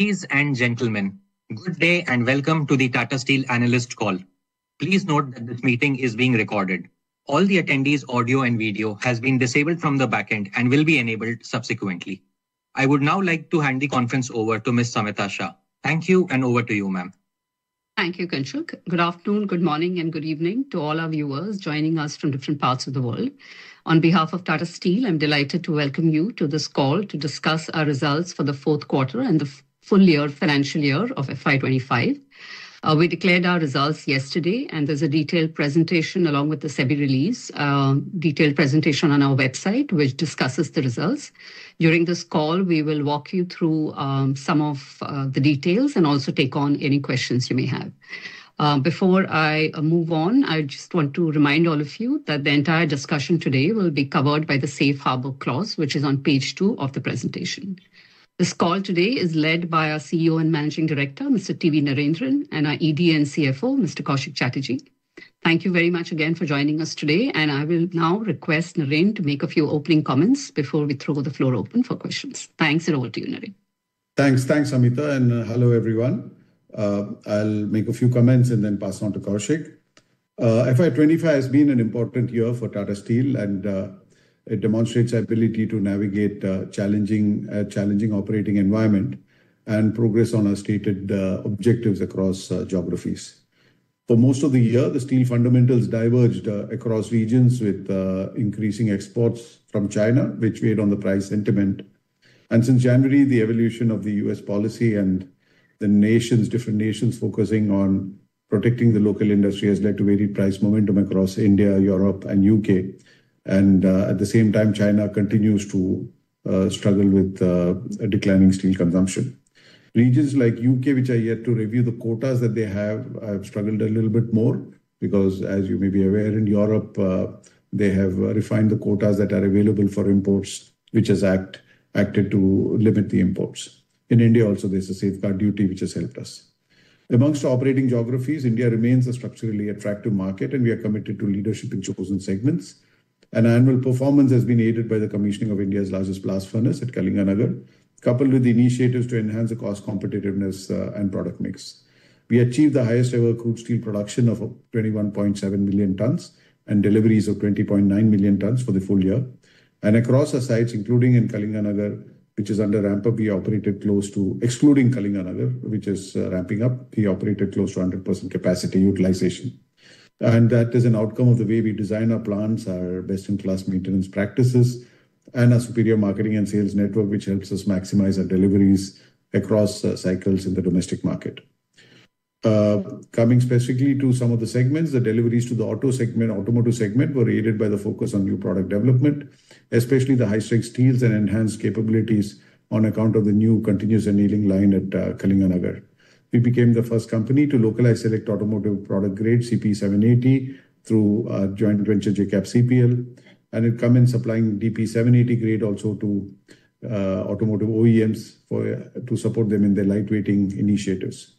Ladies and gentlemen, good day and welcome to the Tata Steel Analyst Call. Please note that this meeting is being recorded. All the attendees' audio and video have been disabled from the back end and will be enabled subsequently. I would now like to hand the conference over to Ms. Samita Shah. Thank you, and over to you, ma'am. Thank you, Kinshuk. Good afternoon, good morning, and good evening to all our viewers joining us from different parts of the world. On behalf of Tata Steel, I'm delighted to welcome you to this call to discuss our results for the fourth quarter and the full financial year of FY2025. We declared our results yesterday, and there's a detailed presentation along with the semi-release detailed presentation on our website, which discusses the results. During this call, we will walk you through some of the details and also take on any questions you may have. Before I move on, I just want to remind all of you that the entire discussion today will be covered by the Safe Harbor Clause, which is on page two of the presentation. This call today is led by our CEO and Managing Director, Mr. T. V. Narendran, and our ED and CFO, Mr. Koushik Chatterjee. Thank you very much again for joining us today, and I will now request Naren to make a few opening comments before we throw the floor open for questions. Thanks, and over to you, Naren. Thanks, Samita, and hello everyone. I'll make a few comments and then pass on to Koushik. FY2025 has been an important year for Tata Steel, and it demonstrates our ability to navigate a challenging operating environment and progress on our stated objectives across geographies. For most of the year, the steel fundamentals diverged across regions with increasing exports from China, which weighed on the price sentiment. Since January, the evolution of the U.S. policy and the different nations focusing on protecting the local industry has led to varied price momentum across India, Europe, and the U.K. At the same time, China continues to struggle with declining steel consumption. Regions like the U.K., which are yet to review the quotas that they have, have struggled a little bit more because, as you may be aware, in Europe, they have refined the quotas that are available for imports, which has acted to limit the imports. In India, also, there is a safeguard duty which has helped us. Amongst operating geographies, India remains a structurally attractive market, and we are committed to leadership in chosen segments. Annual performance has been aided by the commissioning of India's largest blast furnace at Kalinganagar, coupled with initiatives to enhance the cost competitiveness and product mix. We achieved the highest-ever crude steel production of 21.7 million tons and deliveries of 20.9 million tons for the full year. Across our sites, including in Kalinganagar, which is under ramp-up, we operated close to, excluding Kalinganagar, which is ramping up, we operated close to 100% capacity utilization. That is an outcome of the way we design our plants, our best-in-class maintenance practices, and our superior marketing and sales network, which helps us maximize our deliveries across cycles in the domestic market. Coming specifically to some of the segments, the deliveries to the auto segment, automotive segment, were aided by the focus on new product development, especially the high-strength steels and enhanced capabilities on account of the new continuous annealing line at Kalinganagar. We became the first company to localize select automotive product grade, CP 780, through joint venture JCAPCPL, and have come in supplying DP 780 grade also to automotive OEMs to support them in their lightweighting initiatives.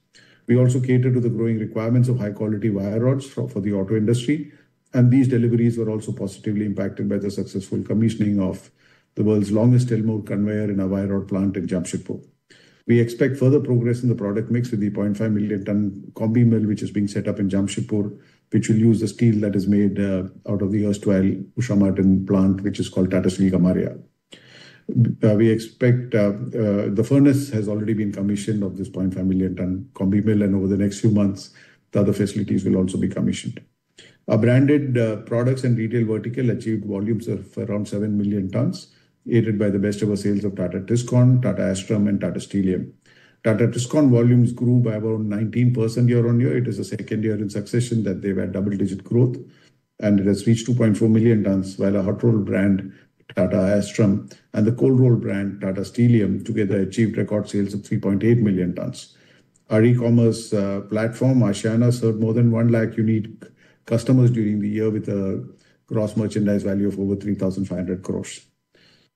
We also catered to the growing requirements of high-quality wire rods for the auto industry, and these deliveries were also positively impacted by the successful commissioning of the world's longest steel mill conveyor in our wire rod plant in Jamshedpur. We expect further progress in the product mix with the 500,000 ton combi mill, which is being set up in Jamshedpur, which will use the steel that is made out of the Usha Martin plant, which is called Tata Steel Gamharia. We expect the furnace has already been commissioned of this 500,000 ton combi mill, and over the next few months, the other facilities will also be commissioned. Our branded products and retail vertical achieved volumes of around 7 million tons, aided by the best-ever sales of Tata Tiscon, Tata Astrum, and Tata Steelium. Tata Tiscon's volumes grew by about 19% year on year. It is the second year in succession that they've had double-digit growth, and it has reached 2.4 million tons, while our hot-rolled brand, Tata Astrum, and the cold-rolled brand, Tata Steelium, together achieved record sales of 3.8 million tons. Our e-commerce platform, Ashana, served more than 1 lahk unique customers during the year with a gross merchandise value of over 3,500 crore.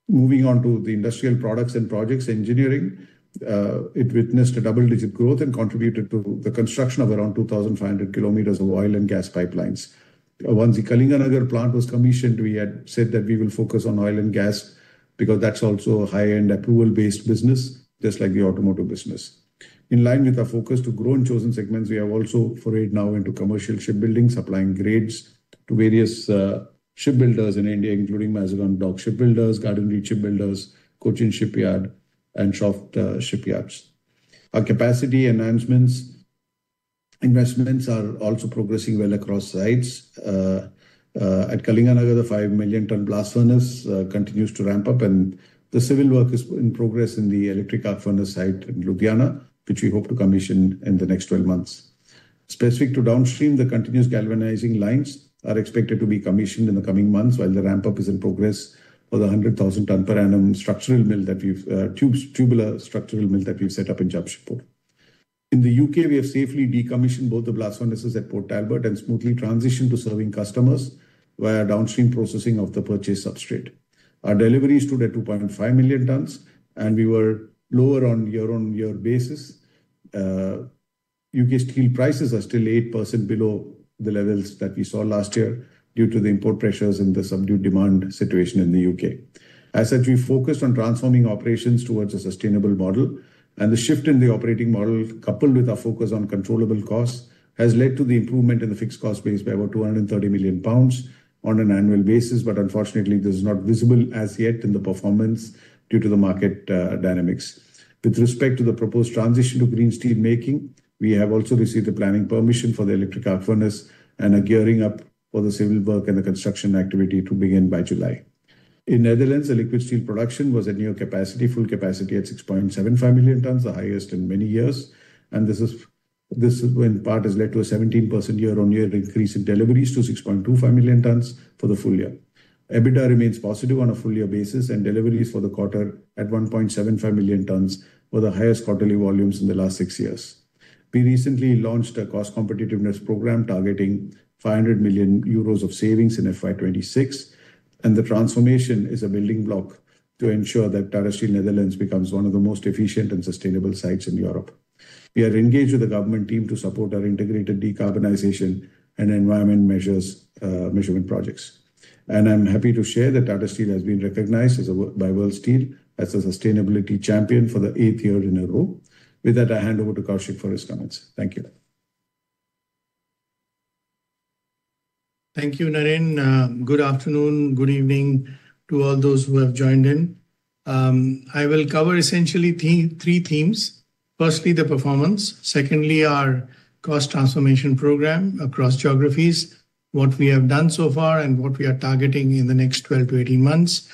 Moving on to the industrial products and projects engineering, it witnessed a double-digit growth and contributed to the construction of around 2,500 km of oil and gas pipelines. Once the Kalinganagar plant was commissioned, we had said that we will focus on oil and gas because that's also a high-end approval-based business, just like the automotive business. In line with our focus to grow in chosen segments, we have also forayed now into commercial shipbuilding, supplying grades to various shipbuilders in India, including Mazagon Dock Shipbuilders, Garden Reach Shipbuilders, Cochin Shipyard, and Shroff Shipyards. Our capacity enhancements investments are also progressing well across sites. At Kalinganagar, the 5 million ton blast furnace continues to ramp up, and the civil work is in progress in the electric arc furnace site in Ludhiana, which we hope to commission in the next 12 months. Specific to downstream, the continuous galvanizing lines are expected to be commissioned in the coming months, while the ramp-up is in progress for the 100,000 ton per annum structural mill that we've set up in Jamshedpur. In the U.K., we have safely decommissioned both the blast furnaces at Port Talbot and smoothly transitioned to serving customers via downstream processing of the purchased substrate. Our deliveries stood at 2.5 million tons, and we were lower on a year-on-year basis. U.K. steel prices are still 8% below the levels that we saw last year due to the import pressures and the subdued demand situation in the U.K. As such, we focused on transforming operations towards a sustainable model, and the shift in the operating model, coupled with our focus on controllable costs, has led to the improvement in the fixed cost base by about 230 million pounds on an annual basis, but unfortunately, this is not visible as yet in the performance due to the market dynamics. With respect to the proposed transition to green steel making, we have also received the planning permission for the electric arc furnace and are gearing up for the civil work and the construction activity to begin by July. In the Netherlands, the liquid steel production was at new capacity, full capacity at 6.75 million tons, the highest in many years, and this in part has led to a 17% year-on-year increase in deliveries to 6.25 million tons for the full year. EBITDA remains positive on a full-year basis, and deliveries for the quarter at 1.75 million tons were the highest quarterly volumes in the last six years. We recently launched a cost competitiveness program targeting 500 million euros of savings in FY2026, and the transformation is a building block to ensure that Tata Steel Netherlands becomes one of the most efficient and sustainable sites in Europe. We are engaged with the government team to support our integrated decarbonization and environment measurement projects. I am happy to share that Tata Steel has been recognized by World Steel as a sustainability champion for the eighth year in a row. With that, I hand over to Koushik for his comments. Thank you. Thank you, Narend. Good afternoon, good evening to all those who have joined in. I will cover essentially three themes. Firstly, the performance. Secondly, our cost transformation program across geographies, what we have done so far, and what we are targeting in the next 12 months-18 months.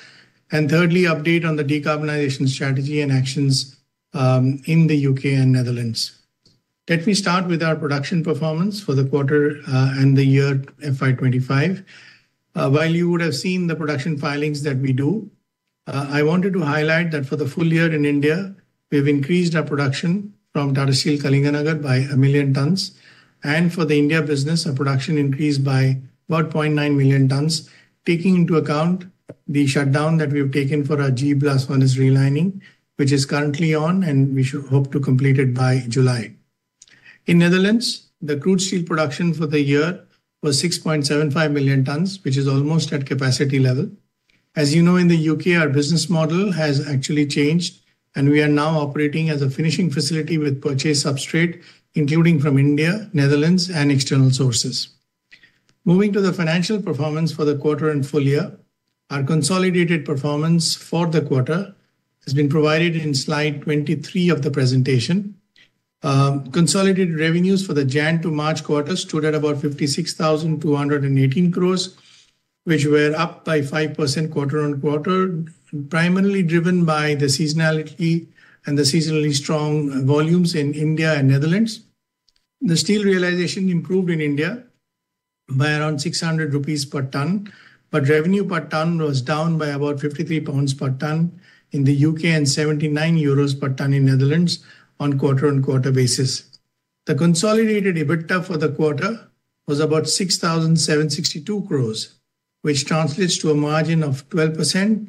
Thirdly, update on the decarbonization strategy and actions in the U.K. and Netherlands. Let me start with our production performance for the quarter and the year FY2025. While you would have seen the production filings that we do, I wanted to highlight that for the full year in India, we have increased our production from Tata Steel Kalinganagar by 1 million tons. For the India business, our production increased by about 0.9 million tons, taking into account the shutdown that we have taken for our G blast furnace relining, which is currently on, and we should hope to complete it by July. In the Netherlands, the crude steel production for the year was 6.75 million tons, which is almost at capacity level. As you know, in the U.K., our business model has actually changed, and we are now operating as a finishing facility with purchased substrate, including from India, Netherlands, and external sources. Moving to the financial performance for the quarter and full year, our consolidated performance for the quarter has been provided in slide 23 of the presentation. Consolidated revenues for the January to March quarter stood at about 56,218 crore, which were up by 5% quarter on quarter, primarily driven by the seasonality and the seasonally strong volumes in India and Netherlands. The steel realization improved in India by around 600 rupees per ton, but revenue per ton was down by about 53 pounds per ton in the U.K. and 79 euros per ton in Netherlands on quarter-on-quarter basis. The consolidated EBITDA for the quarter was about 6,762 crore, which translates to a margin of 12%,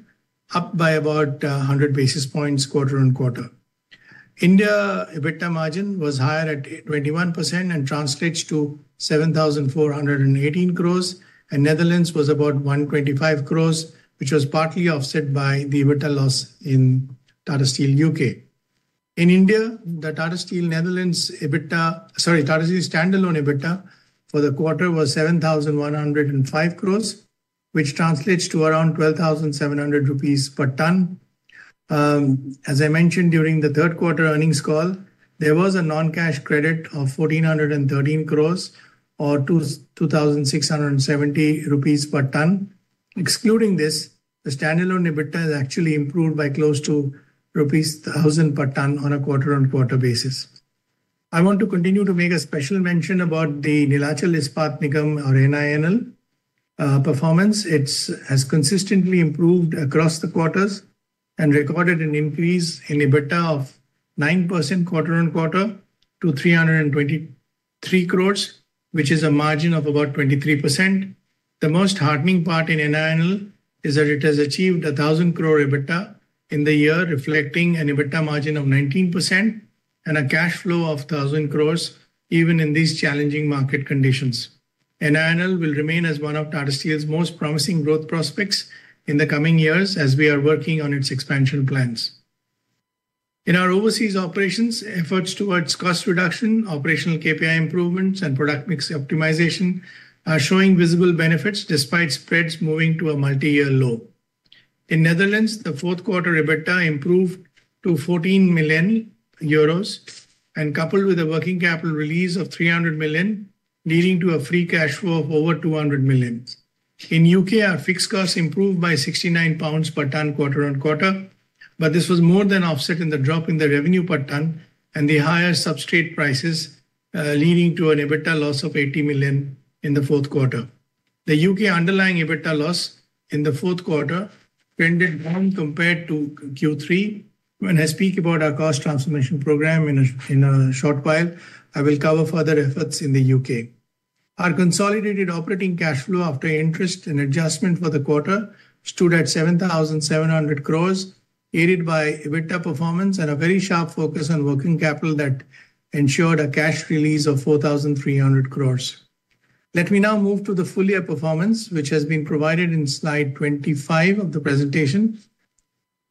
up by about 100 basis points quarter on quarter. India EBITDA margin was higher at 21% and translates to 7,418 crore, and Netherlands was about 125 crore, which was partly offset by the EBITDA loss in Tata Steel U.K. In India, the Tata Steel Netherlands EBITDA, sorry, Tata Steel standalone EBITDA for the quarter was 7,105 crore, which translates to around 12,700 rupees per ton. As I mentioned during the third quarter earnings call, there was a non-cash credit of 1,413 crore or 2,670 rupees per ton. Excluding this, the standalone EBITDA has actually improved by close to rupees 1,000 per ton on a quarter-on-quarter basis. I want to continue to make a special mention about the Neelachal Ispat Nigam, or NINL, performance. It has consistently improved across the quarters and recorded an increase in EBITDA of 9% quarter on quarter to 323 crore, which is a margin of about 23%. The most heartening part in NINL is that it has achieved a 1,000 crore EBITDA in the year, reflecting an EBITDA margin of 19% and a cash flow of 1,000 crore even in these challenging market conditions. NINL will remain as one of Tata Steel's most promising growth prospects in the coming years as we are working on its expansion plans. In our overseas operations, efforts towards cost reduction, operational KPI improvements, and product mix optimization are showing visible benefits despite spreads moving to a multi-year low. In Netherlands, the fourth quarter EBITDA improved to 14 million euros, and coupled with a working capital release of 300 million, leading to a free cash flow of over 200 million. In U.K., our fixed costs improved by 69 pounds per ton quarter on quarter, but this was more than offset in the drop in the revenue per ton and the higher substrate prices, leading to an EBITDA loss of 80 million in the fourth quarter. The U.K. underlying EBITDA loss in the fourth quarter trended down compared to Q3, and I'll speak about our cost transformation program in a short while. I will cover further efforts in the U.K. Our consolidated operating cash flow after interest and adjustment for the quarter stood at 7,700 crore, aided by EBITDA performance and a very sharp focus on working capital that ensured a cash release of 4,300 crore. Let me now move to the full-year performance, which has been provided in slide 25 of the presentation.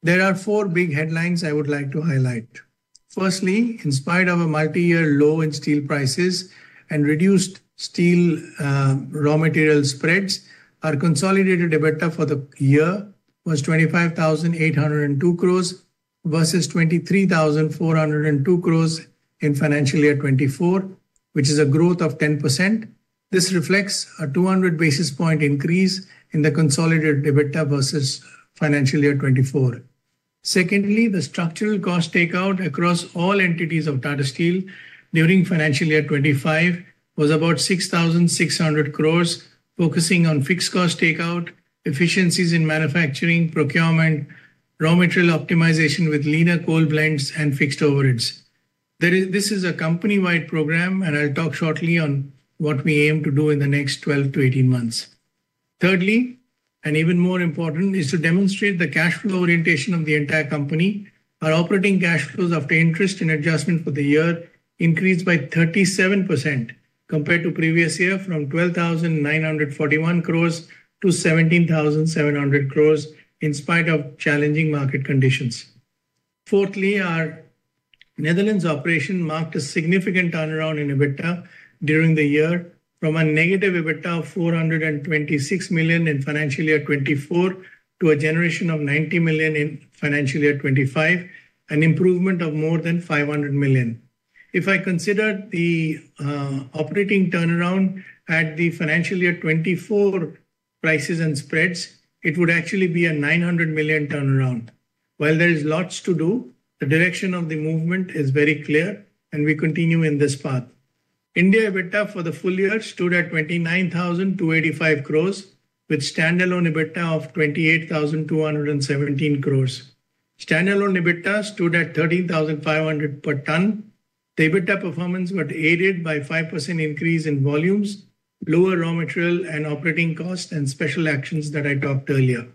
There are four big headlines I would like to highlight. Firstly, in spite of a multi-year low in steel prices and reduced steel raw material spreads, our consolidated EBITDA for the year was 25,802 crore versus 23,402 crore in financial year 2024, which is a growth of 10%. This reflects a 200 basis point increase in the consolidated EBITDA versus financial year 2024. Secondly, the structural cost takeout across all entities of Tata Steel during financial year 2025 was about 660 billion, focusing on fixed cost takeout, efficiencies in manufacturing, procurement, raw material optimization with leaner coal blends, and fixed overheads. This is a company-wide program, and I'll talk shortly on what we aim to do in the next 12 months-18 months. Thirdly, and even more important, is to demonstrate the cash flow orientation of the entire company. Our operating cash flows after interest and adjustment for the year increased by 37% compared to previous year from 12,941 crore to 17,700 crores in spite of challenging market conditions. Fourthly, our Netherlands operation marked a significant turnaround in EBITDA during the year from a negative EBITDA of 426 million in financial year 2024 to a generation of 90 million in financial year 2025, an improvement of more than 500 million. If I consider the operating turnaround at the financial year 2024 prices and spreads, it would actually be a 900 million turnaround. While there is lots to do, the direction of the movement is very clear, and we continue in this path. India EBITDA for the full year stood at 29,285 crore, with standalone EBITDA of 28,217 crore. Standalone EBITDA stood at 13,500 per ton. The EBITDA performance got aided by a 5% increase in volumes, lower raw material and operating costs, and special actions that I talked earlier.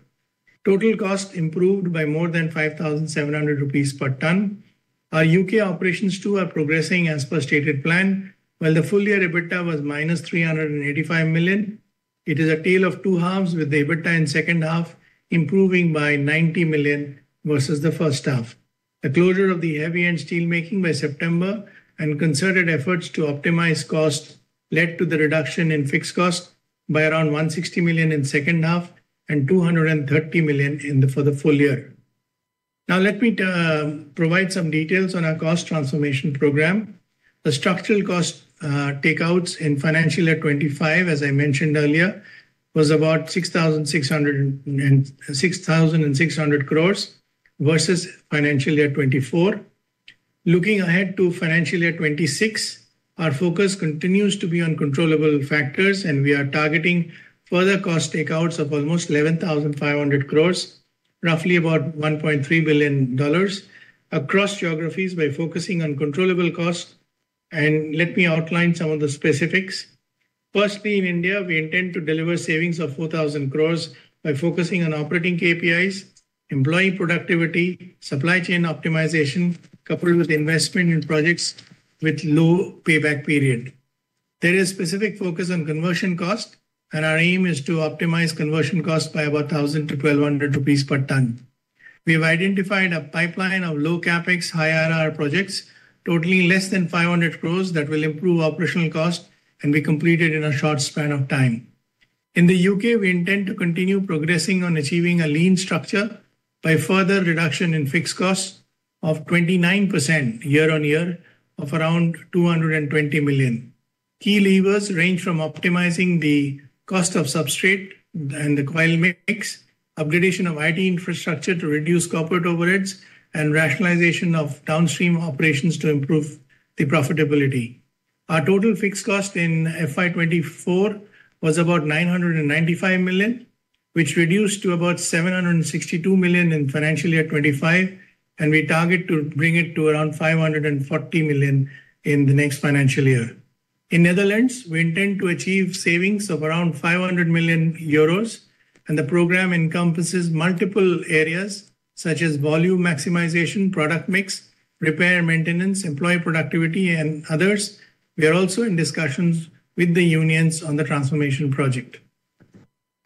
Total cost improved by more than 5,700 rupees per ton. Our U.K. operations too are progressing as per stated plan. While the full-year EBITDA was 385 million, it is a tale of two halves, with the EBITDA in the second half improving by 90 million versus the first half. The closure of the heavy-end steelmaking by September and concerted efforts to optimize costs led to the reduction in fixed cost by around 160 million in the second half and 230 million for the full year. Now, let me provide some details on our cost transformation program. The structural cost takeouts in financial year 2025, as I mentioned earlier, was about INR 6,600 crore versus financial year 2024. Looking ahead to financial year 2026, our focus continues to be on controllable factors, and we are targeting further cost takeouts of almost 11,500 crores, roughly about $1.3 billion across geographies by focusing on controllable costs. Let me outline some of the specifics. Firstly, in India, we intend to deliver savings of 4,000 crores by focusing on operating KPIs, employee productivity, supply chain optimization, coupled with investment in projects with low payback period. There is a specific focus on conversion cost, and our aim is to optimize conversion cost by about 1,000-1,200 rupees per ton. We have identified a pipeline of low capex, high RR projects, totaling less than 500 crore that will improve operational cost and be completed in a short span of time. In the U.K., we intend to continue progressing on achieving a lean structure by further reduction in fixed costs of 29% year on year of around 220 million. Key levers range from optimizing the cost of substrate and the coil mix, upgradation of IT infrastructure to reduce corporate overheads, and rationalization of downstream operations to improve the profitability. Our total fixed cost in financial year 2024 was about 995 million, which reduced to about 762 million in financial year 2025, and we target to bring it to around 540 million in the next financial year. In Netherlands, we intend to achieve savings of around 500 million euros, and the program encompasses multiple areas such as volume maximization, product mix, repair and maintenance, employee productivity, and others. We are also in discussions with the unions on the transformation project.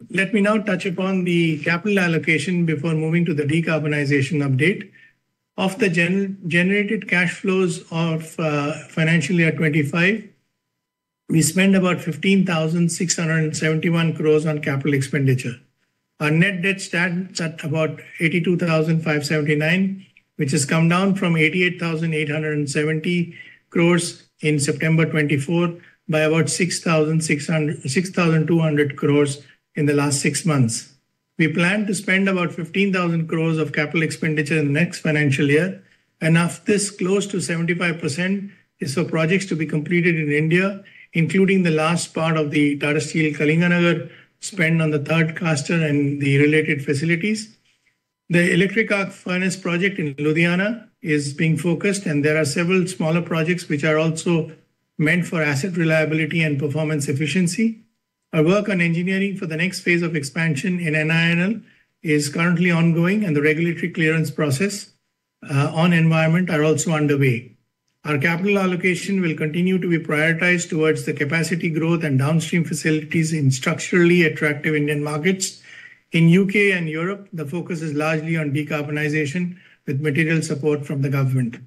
Let me now touch upon the capital allocation before moving to the decarbonization update. Of the generated cash flows of financial year 2025, we spent about 15,671 crore on capital expenditure. Our net debt stands at about 82,579 crore, which has come down from 88,870 crore in September 2024 by about 6,200 crore in the last six months. We plan to spend about 15,000 crore of capital expenditure in the next financial year, and this close to 75% is for projects to be completed in India, including the last part of the Tata Steel Kalinganagar spend on the third cluster and the related facilities. The electric arc furnace project in Ludhiana is being focused, and there are several smaller projects which are also meant for asset reliability and performance efficiency. Our work on engineering for the next phase of expansion in NINL is currently ongoing, and the regulatory clearance process on environment is also underway. Our capital allocation will continue to be prioritized towards the capacity growth and downstream facilities in structurally attractive Indian markets. In the U.K. and Europe, the focus is largely on decarbonization with material support from the government.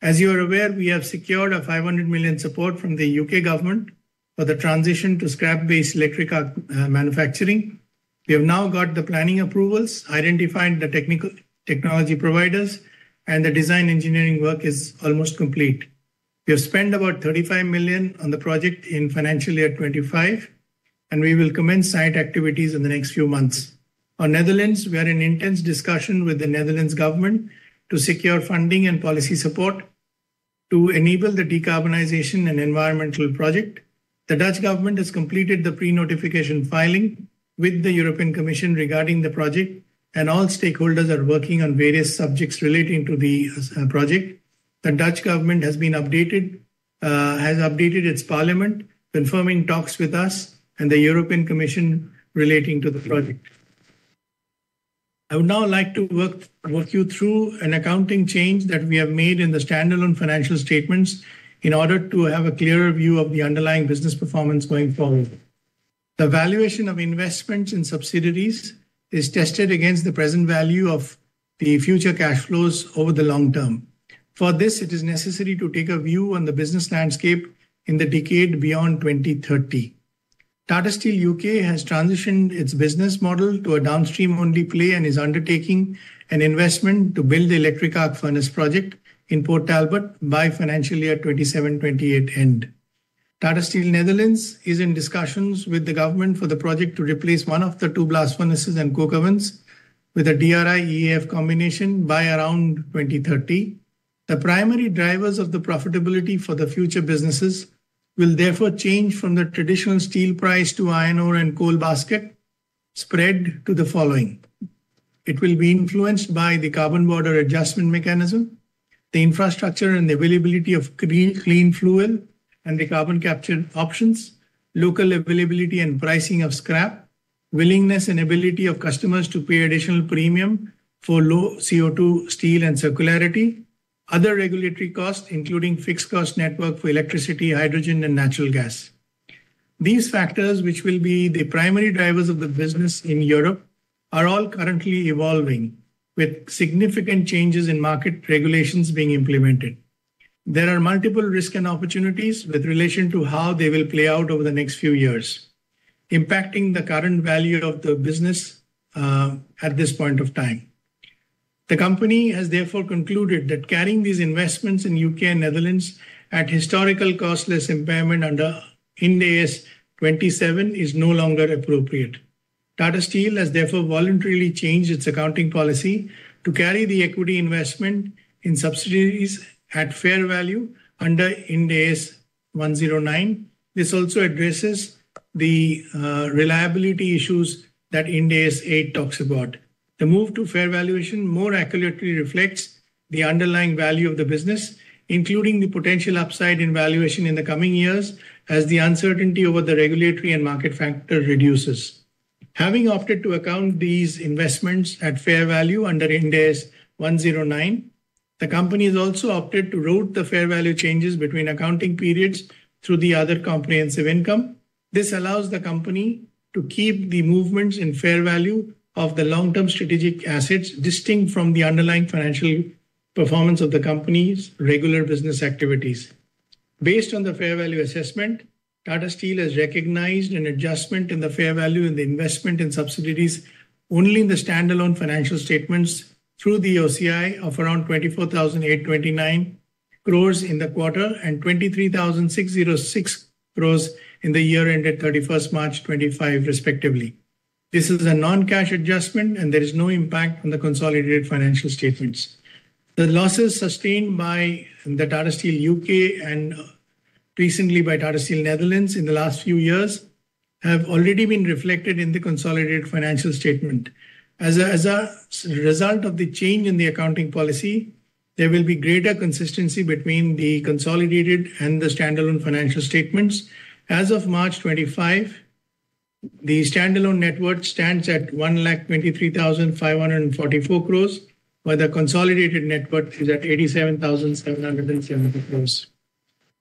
As you are aware, we have secured 500 million support from the U.K. government for the transition to scrap-based electric arc manufacturing. We have now got the planning approvals, identified the technical technology providers, and the design engineering work is almost complete. We have spent about 35 million on the project in financial year 2025, and we will commence site activities in the next few months. In Netherlands, we are in intense discussion with the Netherlands government to secure funding and policy support to enable the decarbonization and environmental project. The Dutch government has completed the pre-notification filing with the European Commission regarding the project, and all stakeholders are working on various subjects relating to the project. The Dutch government has updated its parliament, confirming talks with us and the European Commission relating to the project. I would now like to walk you through an accounting change that we have made in the standalone financial statements in order to have a clearer view of the underlying business performance going forward. The valuation of investments in subsidiaries is tested against the present value of the future cash flows over the long term. For this, it is necessary to take a view on the business landscape in the decade beyond 2030. Tata Steel U.K. has transitioned its business model to a downstream-only play and is undertaking an investment to build the electric arc furnace project in Port Talbot by financial year 2027-2028 end. Tata Steel Netherlands is in discussions with the government for the project to replace one of the two blast furnaces and coke ovens with a DRI-EAF combination by around 2030. The primary drivers of the profitability for the future businesses will therefore change from the traditional steel price to iron ore and coal basket spread to the following. It will be influenced by the carbon border adjustment mechanism, the infrastructure and the availability of clean fuel and the carbon capture options, local availability and pricing of scrap, willingness and ability of customers to pay additional premium for low CO2 steel and circularity, other regulatory costs, including fixed cost network for electricity, hydrogen, and natural gas. These factors, which will be the primary drivers of the business in Europe, are all currently evolving, with significant changes in market regulations being implemented. There are multiple risks and opportunities with relation to how they will play out over the next few years, impacting the current value of the business at this point of time. The company has therefore concluded that carrying these investments in U.K. and Netherlands at historical cost less impairment under IND AS 27 is no longer appropriate. Tata Steel has therefore voluntarily changed its accounting policy to carry the equity investment in subsidiaries at fair value under IND AS 109. This also addresses the reliability issues that IND AS 8 talks about. The move to fair valuation more accurately reflects the underlying value of the business, including the potential upside in valuation in the coming years as the uncertainty over the regulatory and market factor reduces. Having opted to account these investments at fair value under IND AS 109, the company has also opted to route the fair value changes between accounting periods through the other comprehensive income. This allows the company to keep the movements in fair value of the long-term strategic assets distinct from the underlying financial performance of the company's regular business activities. Based on the fair value assessment, Tata Steel has recognized an adjustment in the fair value and the investment in subsidiaries only in the standalone financial statements through the OCI of around 24,829 crore in the quarter and 23,606 crore in the year ended 31 March 2025, respectively. This is a non-cash adjustment, and there is no impact on the consolidated financial statements. The losses sustained by Tata Steel U.K. and recently by Tata Steel Netherlands in the last few years have already been reflected in the consolidated financial statement. As a result of the change in the accounting policy, there will be greater consistency between the consolidated and the standalone financial statements. As of March 2025, the standalone net worth stands at 1,23,544 crore, while the consolidated net worth is at 87,770 crore.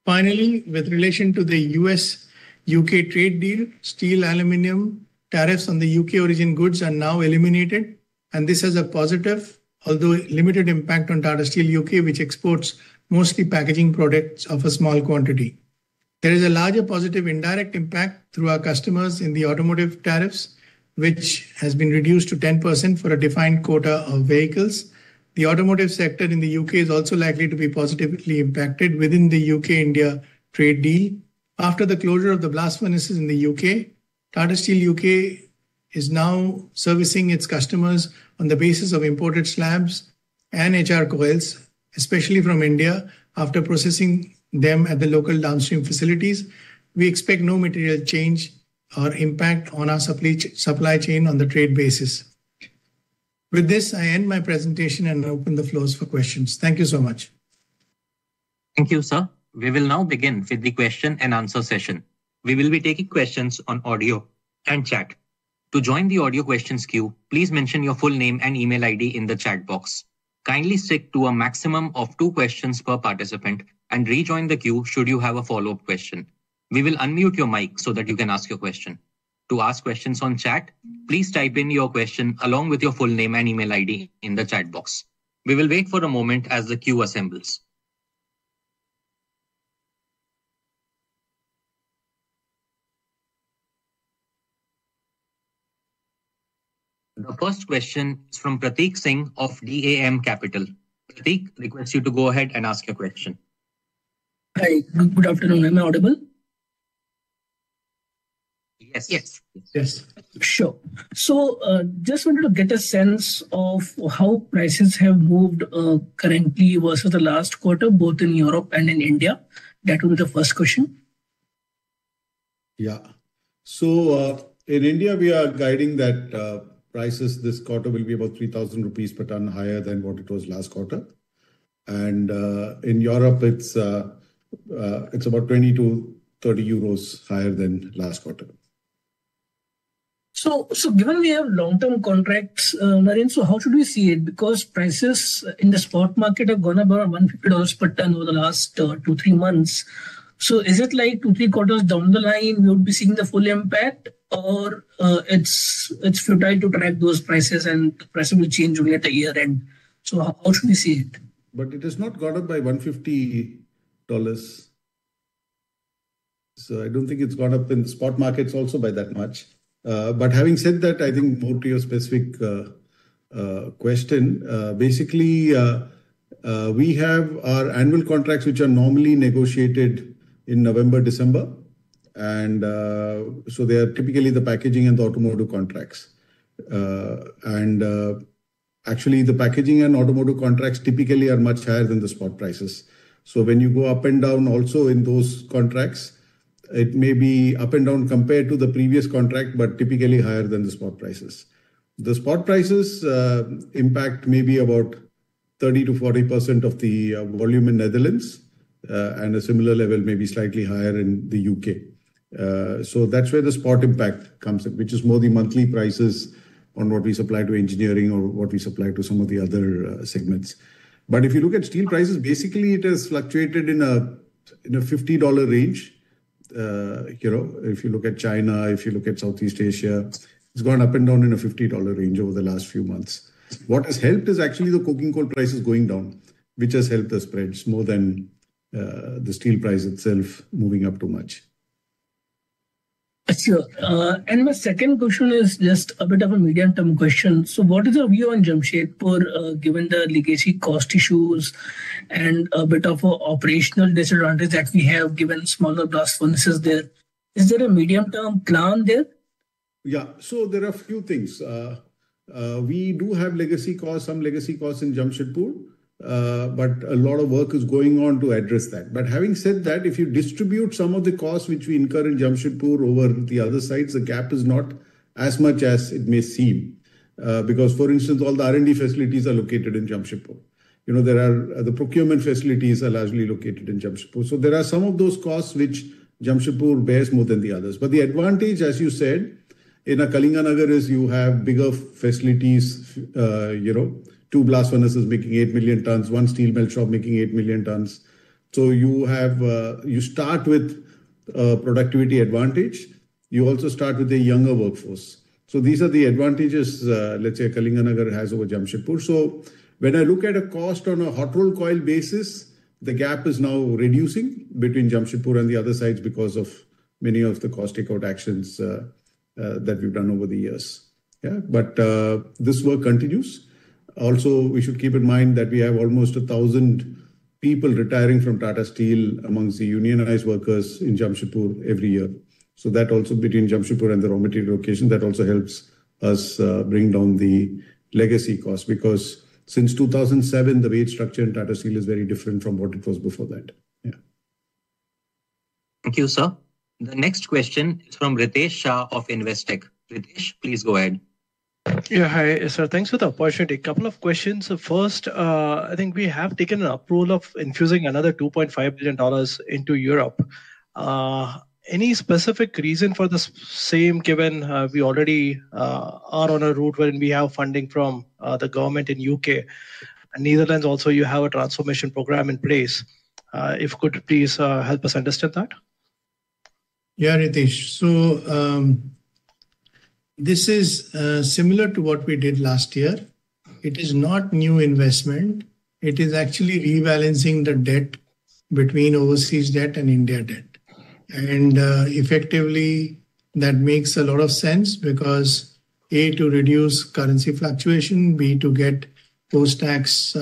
Finally, with relation to the U.S.-U.K. trade deal, steel aluminum tariffs on the U.K. origin goods are now eliminated, and this has a positive, although limited, impact on Tata Steel U.K., which exports mostly packaging products of a small quantity. There is a larger positive indirect impact through our customers in the automotive tariffs, which has been reduced to 10% for a defined quota of vehicles. The automotive sector in the U.K. is also likely to be positively impacted within the U.K.-India trade deal. After the closure of the blast furnaces in the U.K., Tata Steel U.K. is now servicing its customers on the basis of imported slabs and HR coils, especially from India, after processing them at the local downstream facilities. We expect no material change or impact on our supply chain on the trade basis. With this, I end my presentation and open the floors for questions. Thank you so much. Thank you, sir. We will now begin with the question and answer session. We will be taking questions on audio and chat. To join the audio questions queue, please mention your full name and email ID in the chat box. Kindly stick to a maximum of two questions per participant and rejoin the queue should you have a follow-up question. We will unmute your mic so that you can ask your question. To ask questions on chat, please type in your question along with your full name and email ID in the chat box. We will wait for a moment as the queue assembles. The first question is from Prateek Singh of DAM Capital. Prateek, request you to go ahead and ask your question. Hi, good afternoon. Am I audible? Yes. Yes. Yes. Sure. So just wanted to get a sense of how prices have moved currently versus the last quarter, both in Europe and in India. That would be the first question. Yeah. So in India, we are guiding that prices this quarter will be about 3,000 rupees per tonne higher than what it was last quarter. And in Europe, it's about 22-30 euros higher than last quarter. Given we have long-term contracts, Narendra, how should we see it? Because prices in the spot market have gone above $150 per tonne over the last two, three months. Is it like two, three quarters down the line, we would be seeing the full impact, or it's futile to track those prices and the price will change only at the year end? How should we see it? It has not gone up by $150. I don't think it's gone up in spot markets also by that much. Having said that, I think more to your specific question, basically, we have our annual contracts, which are normally negotiated in November, December. They are typically the packaging and the automotive contracts. Actually, the packaging and automotive contracts typically are much higher than the spot prices. When you go up and down also in those contracts, it may be up and down compared to the previous contract, but typically higher than the spot prices. The spot prices impact maybe about 30%-40% of the volume in Netherlands and a similar level, maybe slightly higher in the U.K. That's where the spot impact comes in, which is more the monthly prices on what we supply to engineering or what we supply to some of the other segments. If you look at steel prices, basically, it has fluctuated in a $50 range. If you look at China, if you look at Southeast Asia, it's gone up and down in a $50 range over the last few months. What has helped is actually the coking coal prices going down, which has helped the spreads more than the steel price itself moving up too much. Sure. My second question is just a bit of a medium-term question. What is your view on Jamshedpur given the legacy cost issues and a bit of operational disadvantage that we have given smaller blast furnaces there? Is there a medium-term plan there? Yeah. There are a few things. We do have some legacy costs in Jamshedpur, but a lot of work is going on to address that. Having said that, if you distribute some of the costs which we incur in Jamshedpur over the other sites, the gap is not as much as it may seem. For instance, all the R&D facilities are located in Jamshedpur. The procurement facilities are largely located in Jamshedpur. There are some of those costs which Jamshedpur bears more than the others. The advantage, as you said, in a Kalinganagar is you have bigger facilities, two blast furnaces making 8 million tons, one steel melt shop making 8 million tons. You start with a productivity advantage. You also start with a younger workforce. These are the advantages, let's say, Kalinganagar has over Jamshedpur. When I look at a cost on a hot roll coil basis, the gap is now reducing between Jamshedpur and the other sites because of many of the cost takeout actions that we've done over the years. Yeah. This work continues. Also, we should keep in mind that we have almost 1,000 people retiring from Tata Steel amongst the unionized workers in Jamshedpur every year. That also, between Jamshedpur and the raw material location, helps us bring down the legacy cost. Since 2007, the wage structure in Tata Steel is very different from what it was before that. Yeah. Thank you, sir. The next question is from Ritesh Shah of Investec. Ritesh, please go ahead. Yeah. Hi, sir. Thanks for the opportunity. A couple of questions. First, I think we have taken an approval of infusing another $2.5 billion into Europe. Any specific reason for the same given we already are on a route where we have funding from the government in the U.K. and Netherlands? Also, you have a transformation program in place. If you could, please help us understand that. Yeah, Ritesh. This is similar to what we did last year. It is not new investment. It is actually rebalancing the debt between overseas debt and India debt. Effectively, that makes a lot of sense because, A, to reduce currency fluctuation, B, to get post-tax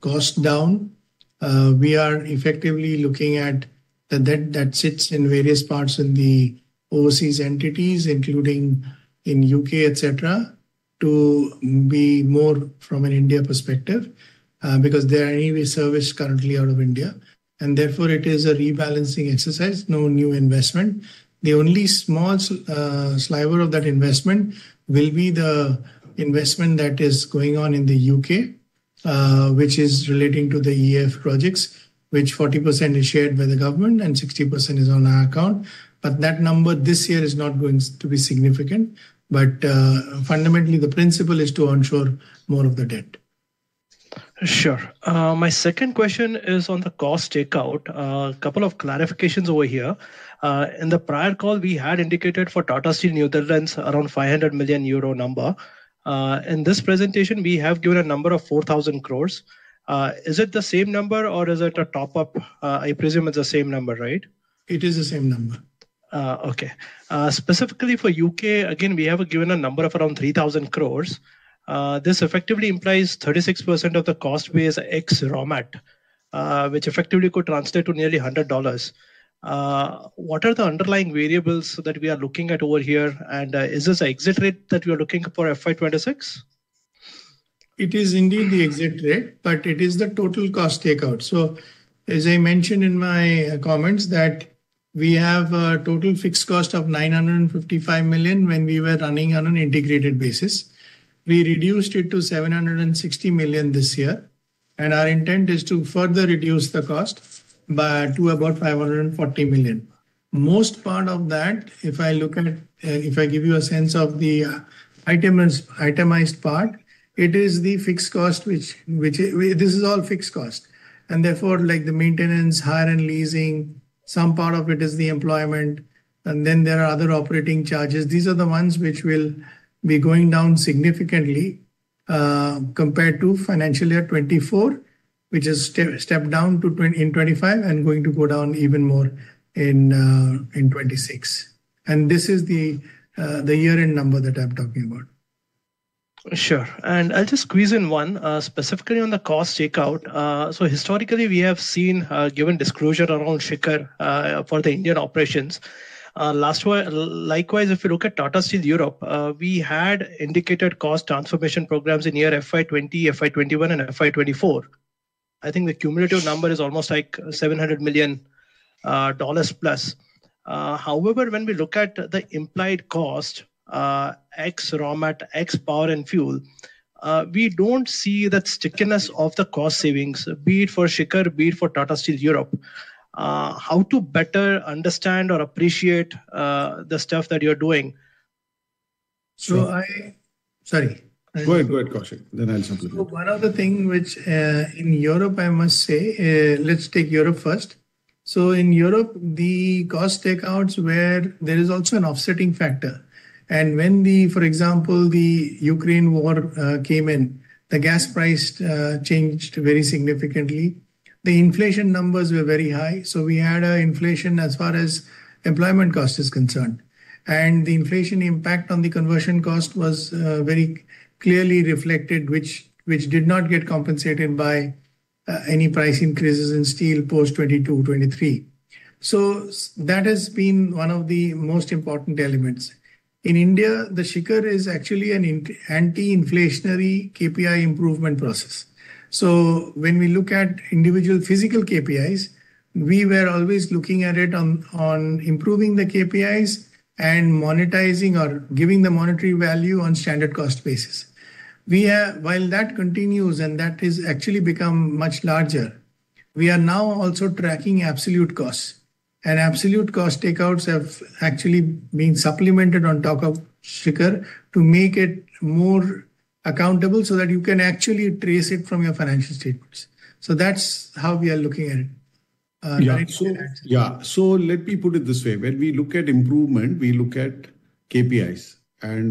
cost down. We are effectively looking at the debt that sits in various parts of the overseas entities, including in the U.K., etc., to be more from an India perspective because there are any we service currently out of India. Therefore, it is a rebalancing exercise, no new investment. The only small sliver of that investment will be the investment that is going on in the U.K., which is relating to the EAF projects, which 40% is shared by the government and 60% is on our account. That number this year is not going to be significant. Fundamentally, the principle is to ensure more of the debt. Sure. My second question is on the cost takeout. A couple of clarifications over here. In the prior call, we had indicated for Tata Steel Netherlands around 500 million euro number. In this presentation, we have given a number of 4,000 crore. Is it the same number, or is it a top-up? I presume it is the same number, right? It is the same number. Okay. Specifically for U.K., again, we have given a number of around 3,000 crore. This effectively implies 36% of the cost base ex ROMAT, which effectively could translate to nearly $100. What are the underlying variables that we are looking at over here, and is this exit rate that we are looking for FY2026? It is indeed the exit rate, but it is the total cost takeout. As I mentioned in my comments, we have a total fixed cost of 955 million when we were running on an integrated basis. We reduced it to 760 million this year. Our intent is to further reduce the cost to about 540 million. Most part of that, if I look at, if I give you a sense of the itemized part, it is the fixed cost, which this is all fixed cost. Therefore, like the maintenance, hire and leasing, some part of it is the employment. Then there are other operating charges. These are the ones which will be going down significantly compared to financial year 2024, which has stepped down in 2025 and going to go down even more in 2026. This is the year-end number that I'm talking about. Sure. I'll just squeeze in one specifically on the cost takeout. Historically, we have seen given disclosure around Shikhar for the Indian operations. Likewise, if you look at Tata Steel Europe, we had indicated cost transformation programs in year FY2020, FY2021, and FY2024. I think the cumulative number is almost like $700+ million. However, when we look at the implied cost ex ROMAT, ex power and fuel, we do not see that stickiness of the cost savings, be it for Shikhar, be it for Tata Steel Europe. How to better understand or appreciate the stuff that you're doing? Sorry. Go ahead, go ahead, Koushik. Then I'll supplement. One of the things which in Europe, I must say, let's take Europe first. In Europe, the cost takeouts where there is also an offsetting factor. For example, when the Ukraine war came in, the gas price changed very significantly. The inflation numbers were very high. We had inflation as far as employment cost is concerned. The inflation impact on the conversion cost was very clearly reflected, which did not get compensated by any price increases in steel post-2022, 2023. That has been one of the most important elements. In India, the Shikhar is actually an anti-inflationary KPI improvement process. When we look at individual physical KPIs, we were always looking at it on improving the KPIs and monetizing or giving the monetary value on standard cost basis. While that continues and that has actually become much larger, we are now also tracking absolute costs. Absolute cost takeouts have actually been supplemented on top of Shikhar to make it more accountable so that you can actually trace it from your financial statements. That is how we are looking at it. Yeah. Let me put it this way. When we look at improvement, we look at KPIs. Are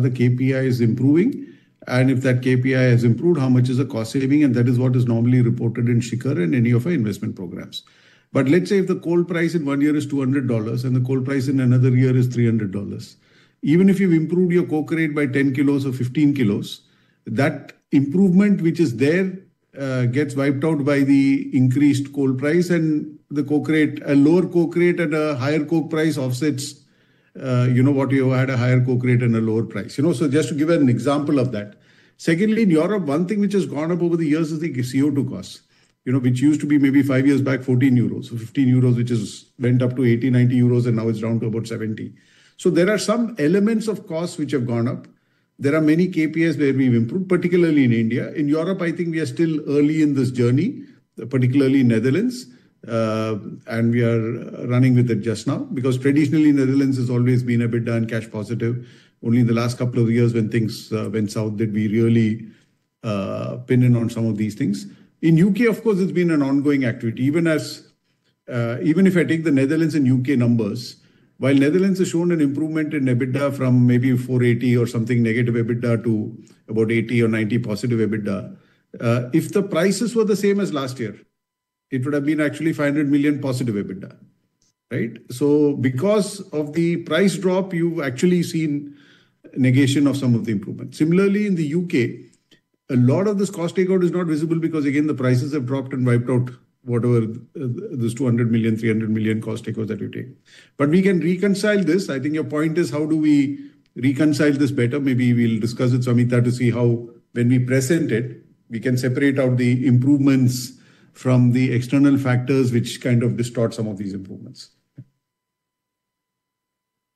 the KPIs improving? If that KPI has improved, how much is the cost saving? That is what is normally reported in Shikhar and any of our investment programs. Let's say if the coal price in one year is $200 and the coal price in another year is $300. Even if you've improved your coke rate by 10 kilos or 15 kilos, that improvement which is there gets wiped out by the increased coal price and the coke rate, a lower coke rate and a higher coke price offsets what you had, a higher coke rate and a lower price. Just to give an example of that. Secondly, in Europe, one thing which has gone up over the years is the CO2 cost, which used to be maybe five years back 14 euros or 15 euros, which has went up to 80 euros, 90 euros, and now it's down to about 70. There are some elements of costs which have gone up. There are many KPIs where we've improved, particularly in India. In Europe, I think we are still early in this journey, particularly Netherlands. We are running with it just now because traditionally, Netherlands has always been EBITDA and cash positive. Only in the last couple of years when things went south, did we really pin in on some of these things. In the U.K., of course, it has been an ongoing activity. Even if I take the Netherlands and U.K. numbers, while Netherlands has shown an improvement in EBITDA from maybe 480 million or something negative EBITDA to about 80 million or 90 million positive EBITDA, if the prices were the same as last year, it would have been actually 500 million positive EBITDA, right? Because of the price drop, you have actually seen negation of some of the improvement. Similarly, in the U.K., a lot of this cost takeout is not visible because, again, the prices have dropped and wiped out whatever this 200 million-300 million cost takeout that you take. We can reconcile this. I think your point is how do we reconcile this better? Maybe we will discuss with Samita to see how when we present it, we can separate out the improvements from the external factors which kind of distort some of these improvements.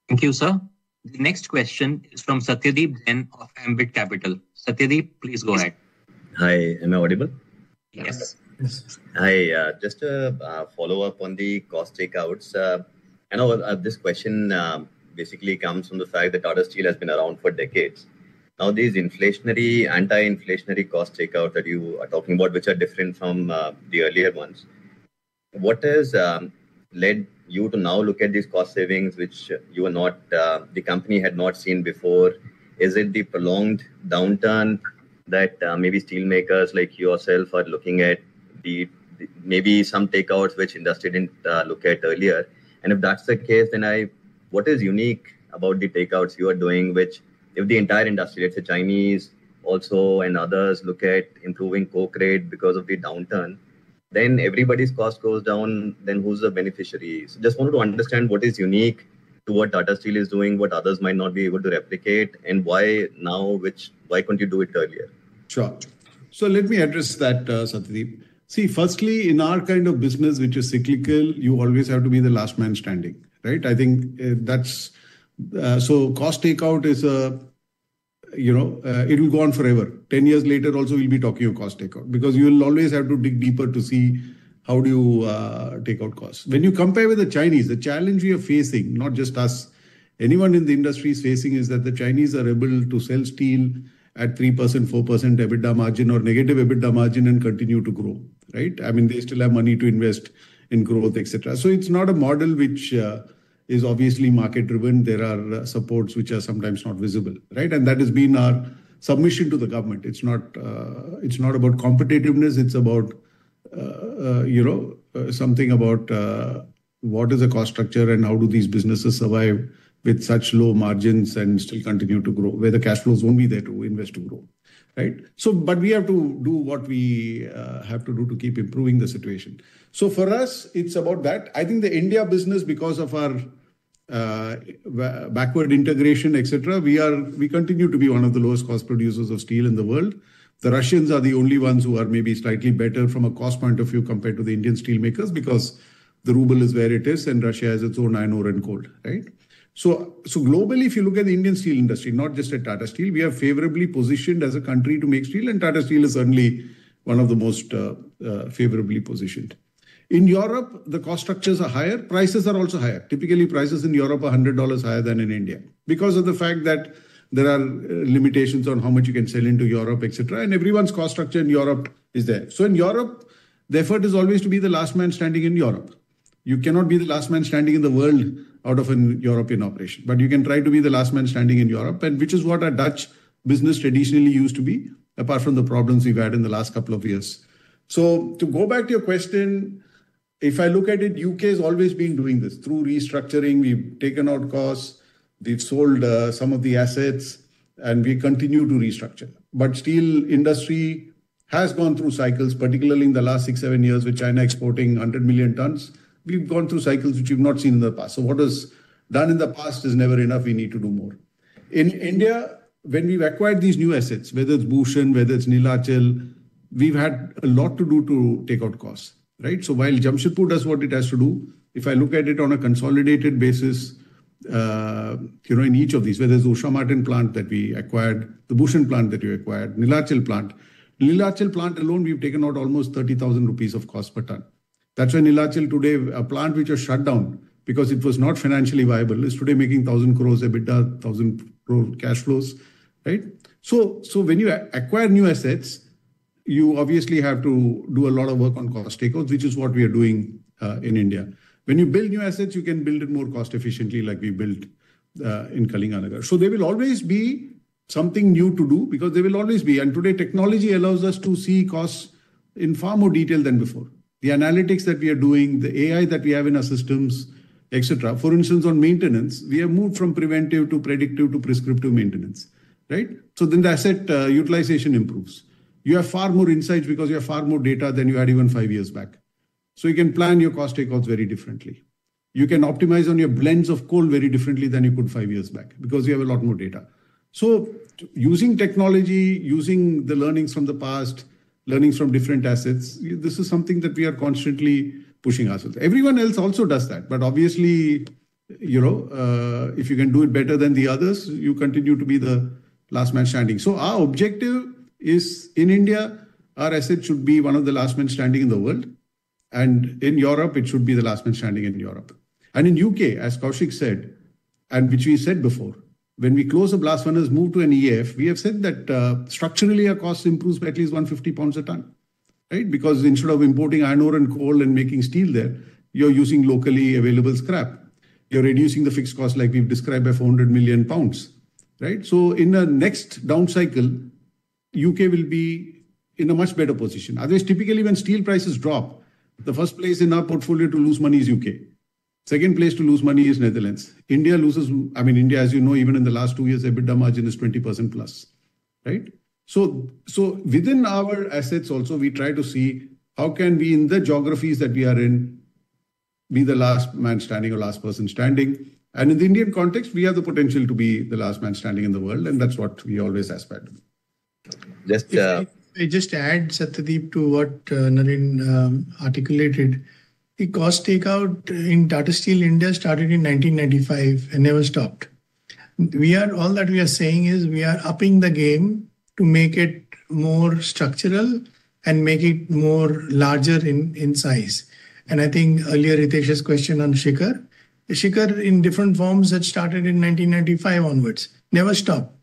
Thank you, sir. The next question is from Satyadeep Jain of Ambit Capital. Satyadeep, please go ahead. Hi. Am I audible? Yes. Hi. Just a follow-up on the cost takeouts. This question basically comes from the fact that Tata Steel has been around for decades. Now, these inflationary, anti-inflationary cost takeout that you are talking about, which are different from the earlier ones, what has led you to now look at these cost savings which the company had not seen before? Is it the prolonged downturn that maybe steelmakers like yourself are looking at, maybe some takeouts which industry did not look at earlier? If that's the case, then what is unique about the takeouts you are doing, which if the entire industry, let's say Chinese also and others, look at improving coke rate because of the downturn, then everybody's cost goes down, then who's the beneficiary? I just wanted to understand what is unique to what Tata Steel is doing, what others might not be able to replicate, and why now, why couldn't you do it earlier? Sure. Let me address that, Satyadeep. See, firstly, in our kind of business, which is cyclical, you always have to be the last man standing, right? I think that's, so cost takeout is a, it will go on forever. Ten years later, also, we'll be talking of cost takeout because you'll always have to dig deeper to see how do you take out costs. When you compare with the Chinese, the challenge we are facing, not just us, anyone in the industry is facing is that the Chinese are able to sell steel at 3%, 4% EBITDA margin or negative EBITDA margin and continue to grow, right? I mean, they still have money to invest in growth, etc. It is not a model which is obviously market-driven. There are supports which are sometimes not visible, right? That has been our submission to the government. It is not about competitiveness. It is about something about what is the cost structure and how do these businesses survive with such low margins and still continue to grow, where the cash flows will not be there to invest to grow, right? We have to do what we have to do to keep improving the situation. For us, it is about that. I think the India business, because of our backward integration, etc., we continue to be one of the lowest cost producers of steel in the world. The Russians are the only ones who are maybe slightly better from a cost point of view compared to the Indian steelmakers because the ruble is where it is, and Russia has its own iron ore and coal, right? Globally, if you look at the Indian steel industry, not just at Tata Steel, we are favorably positioned as a country to make steel. Tata Steel is certainly one of the most favorably positioned. In Europe, the cost structures are higher. Prices are also higher. Typically, prices in Europe are $100 higher than in India because of the fact that there are limitations on how much you can sell into Europe, etc. Everyone's cost structure in Europe is there. In Europe, the effort is always to be the last man standing in Europe. You cannot be the last man standing in the world out of a European operation. You can try to be the last man standing in Europe, which is what our Dutch business traditionally used to be, apart from the problems we have had in the last couple of years. To go back to your question, if I look at it, the U.K. has always been doing this through restructuring. We have taken out costs. We have sold some of the assets, and we continue to restructure. The steel industry has gone through cycles, particularly in the last six or seven years, with China exporting 100 million tons. We have gone through cycles which we have not seen in the past. What is done in the past is never enough. We need to do more. In India, when we've acquired these new assets, whether it's Bhushan, whether it's Nilachal, we've had a lot to do to take out costs, right? While Jamshedpur does what it has to do, if I look at it on a consolidated basis in each of these, whether it's the Usha Martin plant that we acquired, the Bhushan plant that we acquired, Nilachal plant, Nilachal plant alone, we've taken out almost 30,000 rupees of cost per ton. That's why Nilachal today, a plant which was shut down because it was not financially viable, is today making 1,000 crore EBITDA, 1,000 crore cash flows, right? When you acquire new assets, you obviously have to do a lot of work on cost takeouts, which is what we are doing in India. When you build new assets, you can build it more cost-efficiently, like we built in Kalinganagar. There will always be something new to do because there will always be. Today, technology allows us to see costs in far more detail than before. The analytics that we are doing, the AI that we have in our systems, etc. For instance, on maintenance, we have moved from preventive to predictive to prescriptive maintenance, right? Then the asset utilization improves. You have far more insights because you have far more data than you had even five years back. You can plan your cost takeouts very differently. You can optimize on your blends of coal very differently than you could five years back because you have a lot more data. Using technology, using the learnings from the past, learnings from different assets, this is something that we are constantly pushing ourselves. Everyone else also does that. Obviously, if you can do it better than the others, you continue to be the last man standing. Our objective is in India, our asset should be one of the last men standing in the world. In Europe, it should be the last man standing in Europe. In the U.K., as Koushik said, and which we said before, when we close the blast furnaces, move to an EAF, we have said that structurally, our cost improves by at least 150 pounds a ton, right? Because instead of importing iron ore and coal and making steel there, you're using locally available scrap. You're reducing the fixed cost like we've described by 400 million pounds, right? In the next down cycle, the U.K. will be in a much better position. Otherwise, typically when steel prices drop, the first place in our portfolio to lose money is the U.K. Second place to lose money is Netherlands. I mean, India, as you know, even in the last two years, EBITDA margin is 20%+, right? Within our assets also, we try to see how can we in the geographies that we are in be the last man standing or last person standing. In the Indian context, we have the potential to be the last man standing in the world. That is what we always aspire to be. Just to add, Satyadeep, to what Naren articulated, the cost takeout in Tata Steel India started in 1995 and never stopped. All that we are saying is we are upping the game to make it more structural and make it larger in size. I think earlier Ritesh's question on Shikhar, Shikhar in different forms that started in 1995 onwards, never stopped.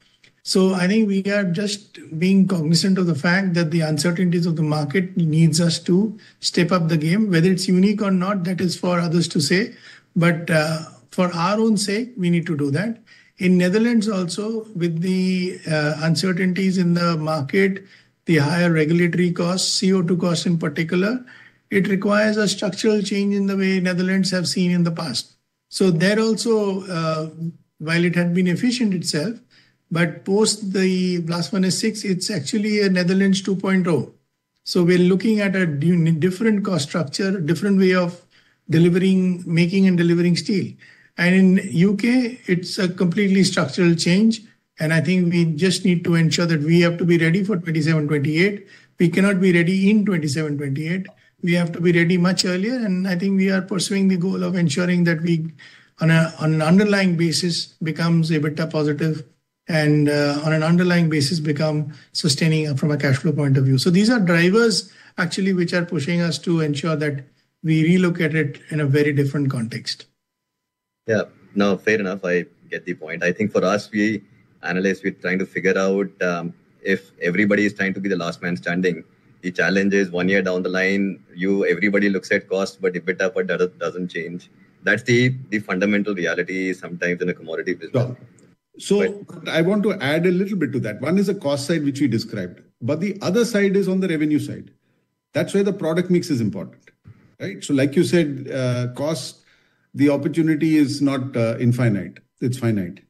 I think we are just being cognizant of the fact that the uncertainties of the market need us to step up the game, whether it's unique or not, that is for others to say. For our own sake, we need to do that. In Netherlands also, with the uncertainties in the market, the higher regulatory costs, CO2 costs in particular, it requires a structural change in the way Netherlands have seen in the past. There also, while it had been efficient itself, but post the blast furnace six, it's actually a Netherlands 2.0. We are looking at a different cost structure, different way of making and delivering steel. In U.K., it's a completely structural change. I think we just need to ensure that we have to be ready for 2027-2028. We cannot be ready in 2027-2028. We have to be ready much earlier. I think we are pursuing the goal of ensuring that we, on an underlying basis, become EBITDA positive and on an underlying basis, become sustaining from a cash flow point of view. These are drivers, actually, which are pushing us to ensure that we relocate it in a very different context. Yeah. No, fair enough. I get the point. I think for us, we analyze, we're trying to figure out if everybody is trying to be the last man standing. The challenge is one year down the line, everybody looks at cost, but EBITDA doesn't change. That's the fundamental reality sometimes in a commodity business. I want to add a little bit to that. One is the cost side, which we described. The other side is on the revenue side. That's why the product mix is important, right? Like you said, cost, the opportunity is not infinite. It is finite.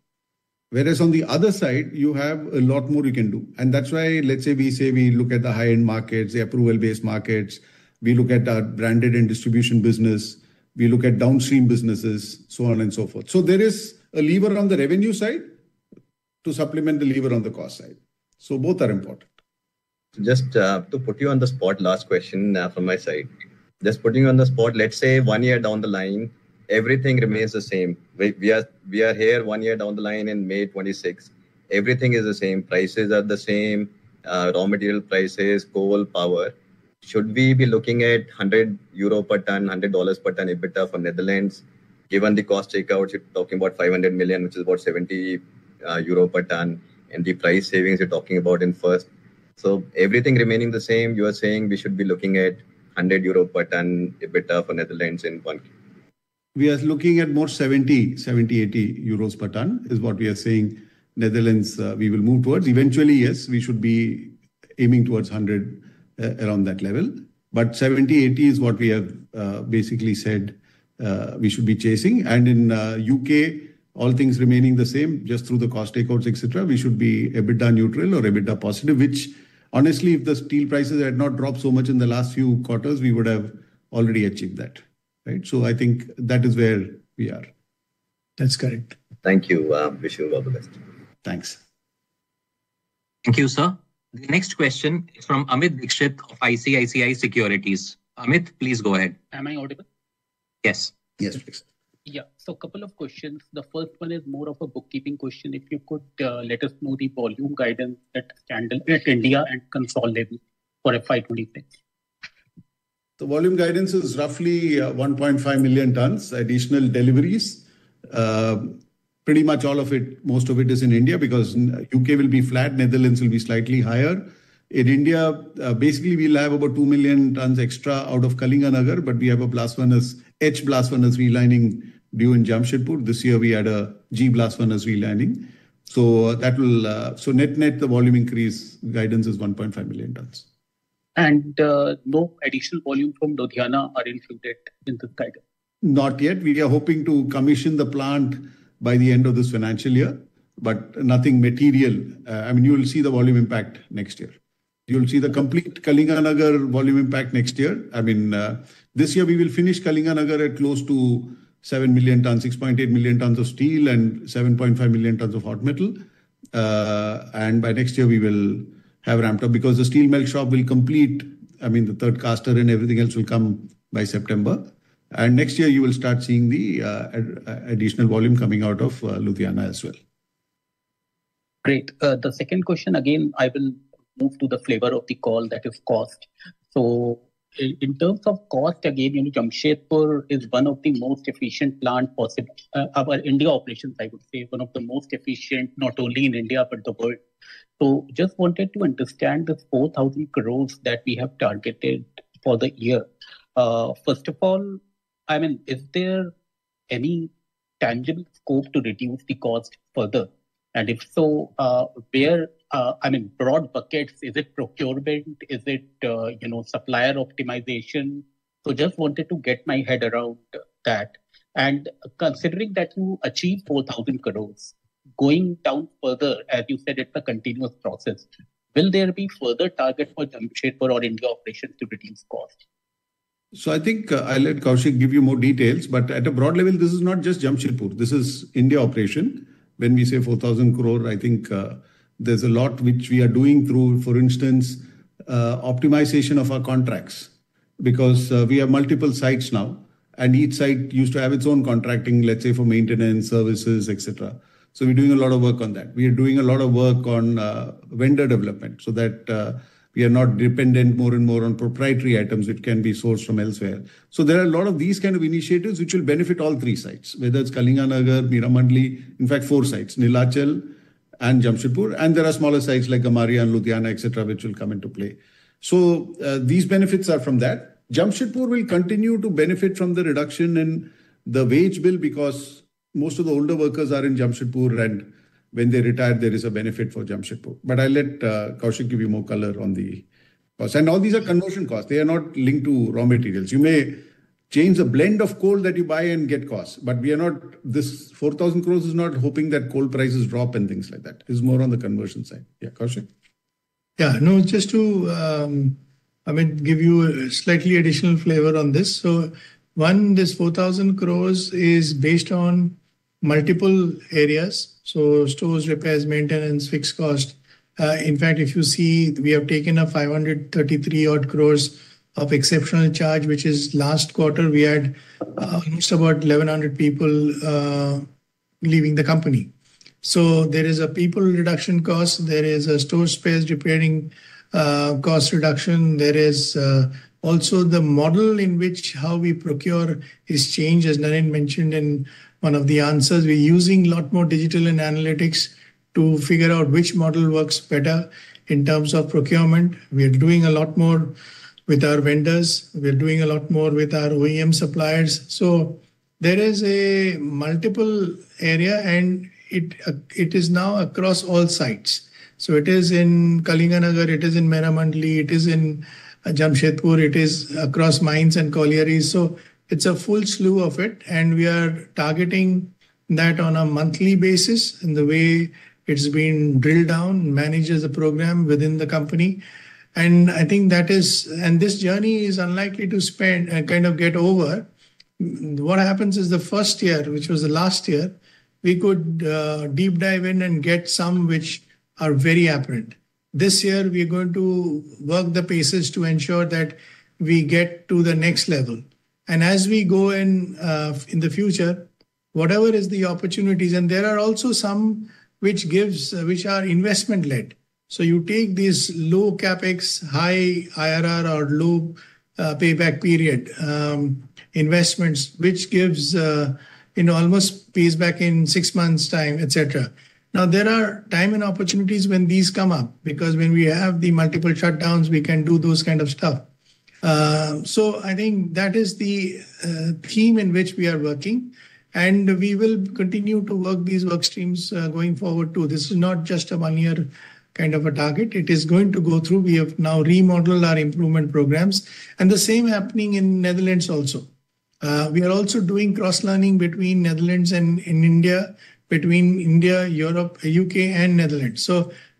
Whereas on the other side, you have a lot more you can do. That is why, let's say we look at the high-end markets, the approval-based markets, we look at our branded and distribution business, we look at downstream businesses, so on and so forth. There is a lever on the revenue side to supplement the lever on the cost side. Both are important. Just to put you on the spot, last question from my side. Just putting you on the spot, let's say one year down the line, everything remains the same. We are here one year down the line in May 2026. Everything is the same. Prices are the same, raw material prices, coal, power. Should we be looking at 100 euro per ton, $100 per ton EBITDA for Netherlands? Given the cost takeout, you're talking about 500 million, which is about 70 euro per ton. The price savings you're talking about in first. Everything remaining the same, you are saying we should be looking at 100 euro per ton EBITDA for Netherlands in one year. We are looking at more 70, 70, 80 euros per ton is what we are seeing Netherlands we will move towards. Eventually, yes, we should be aiming towards 100 around that level. 70, 80 is what we have basically said we should be chasing. In U.K., all things remaining the same, just through the cost takeouts, etc., we should be EBITDA neutral or EBITDA positive, which honestly, if the steel prices had not dropped so much in the last few quarters, we would have already achieved that, right? I think that is where we are. That's correct. Thank you. Wish you all the best. Thanks. Thank you, sir. The next question is from Amit Dixit of ICICI Securities. Amit, please go ahead. Am I audible? Yes. Yes. Yeah. So a couple of questions. The first one is more of a bookkeeping question. If you could let us know the volume guidance that stands at India and consolidate for FY2026. The volume guidance is roughly 1.5 million tons, additional deliveries. Pretty much all of it, most of it is in India because U.K. will be flat, Netherlands will be slightly higher. In India, basically, we'll have about 2 million tons extra out of Kalinganagar, but we have a blast furnace, H blast furnace relining due in Jamshedpur. This year, we had a G blast furnace relining. That will net net the volume increase guidance is 1.5 million tons. And no additional volume from Ludhiana are included in this guidance? Not yet. We are hoping to commission the plant by the end of this financial year, but nothing material. I mean, you will see the volume impact next year. You will see the complete Kalinganagar volume impact next year. I mean, this year, we will finish Kalinganagar at close to 7 million tons, 6.8 million tons of steel and 7.5 million tons of hot metal. By next year, we will have ramped up because the steel melt shop will complete. I mean, the third caster and everything else will come by September. Next year, you will start seeing the additional volume coming out of Ludhiana as well. Great. The second question, again, I will move to the flavor of the call that you've cost. In terms of cost, again, Jamshedpur is one of the most efficient plant possible. Our India operations, I would say, one of the most efficient, not only in India but the world. Just wanted to understand this 4,000 crore that we have targeted for the year. First of all, I mean, is there any tangible scope to reduce the cost further? If so, where, I mean, broad buckets, is it procurement? Is it supplier optimization? Just wanted to get my head around that. Considering that you achieved 4,000 crore, going down further, you said it's a continuous process. Will there be further target for Jamshedpur or India operations to reduce cost? I think I'll let Koushik give you more details. At a broad level, this is not just Jamshedpur. This is India operation. When we say 4,000 crore, I think there's a lot which we are doing through, for instance, optimization of our contracts because we have multiple sites now. Each site used to have its own contracting, let's say, for maintenance services, etc. We are doing a lot of work on that. We are doing a lot of work on vendor development so that we are not dependent more and more on proprietary items which can be sourced from elsewhere. There are a lot of these kind of initiatives which will benefit all three sites, whether it's Kalinganagar, Meramandali, in fact, four sites, Nilachal and Jamshedpur. There are smaller sites like Gamharia and Ludhiana, etc., which will come into play. These benefits are from that. Jamshedpur will continue to benefit from the reduction in the wage bill because most of the older workers are in Jamshedpur. When they retire, there is a benefit for Jamshedpur. I'll let Koushik give you more color on the cost. All these are conversion costs. They are not linked to raw materials. You may change the blend of coal that you buy and get costs, but this 4,000 crore is not hoping that coal prices drop and things like that. It's more on the conversion side. Yeah, Koushik? Yeah. No, just to, I mean, give you a slightly additional flavor on this. One, this 4,000 crore is based on multiple areas. Stores, repairs, maintenance, fixed cost. In fact, if you see, we have taken an 533 crore exceptional charge, which is last quarter, we had almost about 1,100 people leaving the company. There is a people reduction cost. There is a stores, repairs cost reduction. There is also the model in which how we procure is changed, as Nalin mentioned in one of the answers. We are using a lot more digital and analytics to figure out which model works better in terms of procurement. We are doing a lot more with our vendors. We are doing a lot more with our OEM suppliers. There is a multiple area, and it is now across all sites. It is in Kalinganagar. It is in Meramandali. It is in Jamshedpur. It is across mines and collieries. It is a full slew of it. We are targeting that on a monthly basis in the way it has been drilled down, manages the program within the company. I think that is, and this journey is unlikely to spend and kind of get over. What happens is the first year, which was the last year, we could deep dive in and get some which are very apparent. This year, we are going to work the paces to ensure that we get to the next level. As we go in the future, whatever is the opportunities, and there are also some which give, which are investment-led. You take these low CapEx, high IRR, or low payback period investments, which gives in almost pays back in six months' time, etc. Now, there are time and opportunities when these come up because when we have the multiple shutdowns, we can do those kind of stuff. I think that is the theme in which we are working. We will continue to work these work streams going forward too. This is not just a one-year kind of a target. It is going to go through. We have now remodeled our improvement programs. The same is happening in Netherlands also. We are also doing cross-learning between Netherlands and India, between India, Europe, U.K., and Netherlands.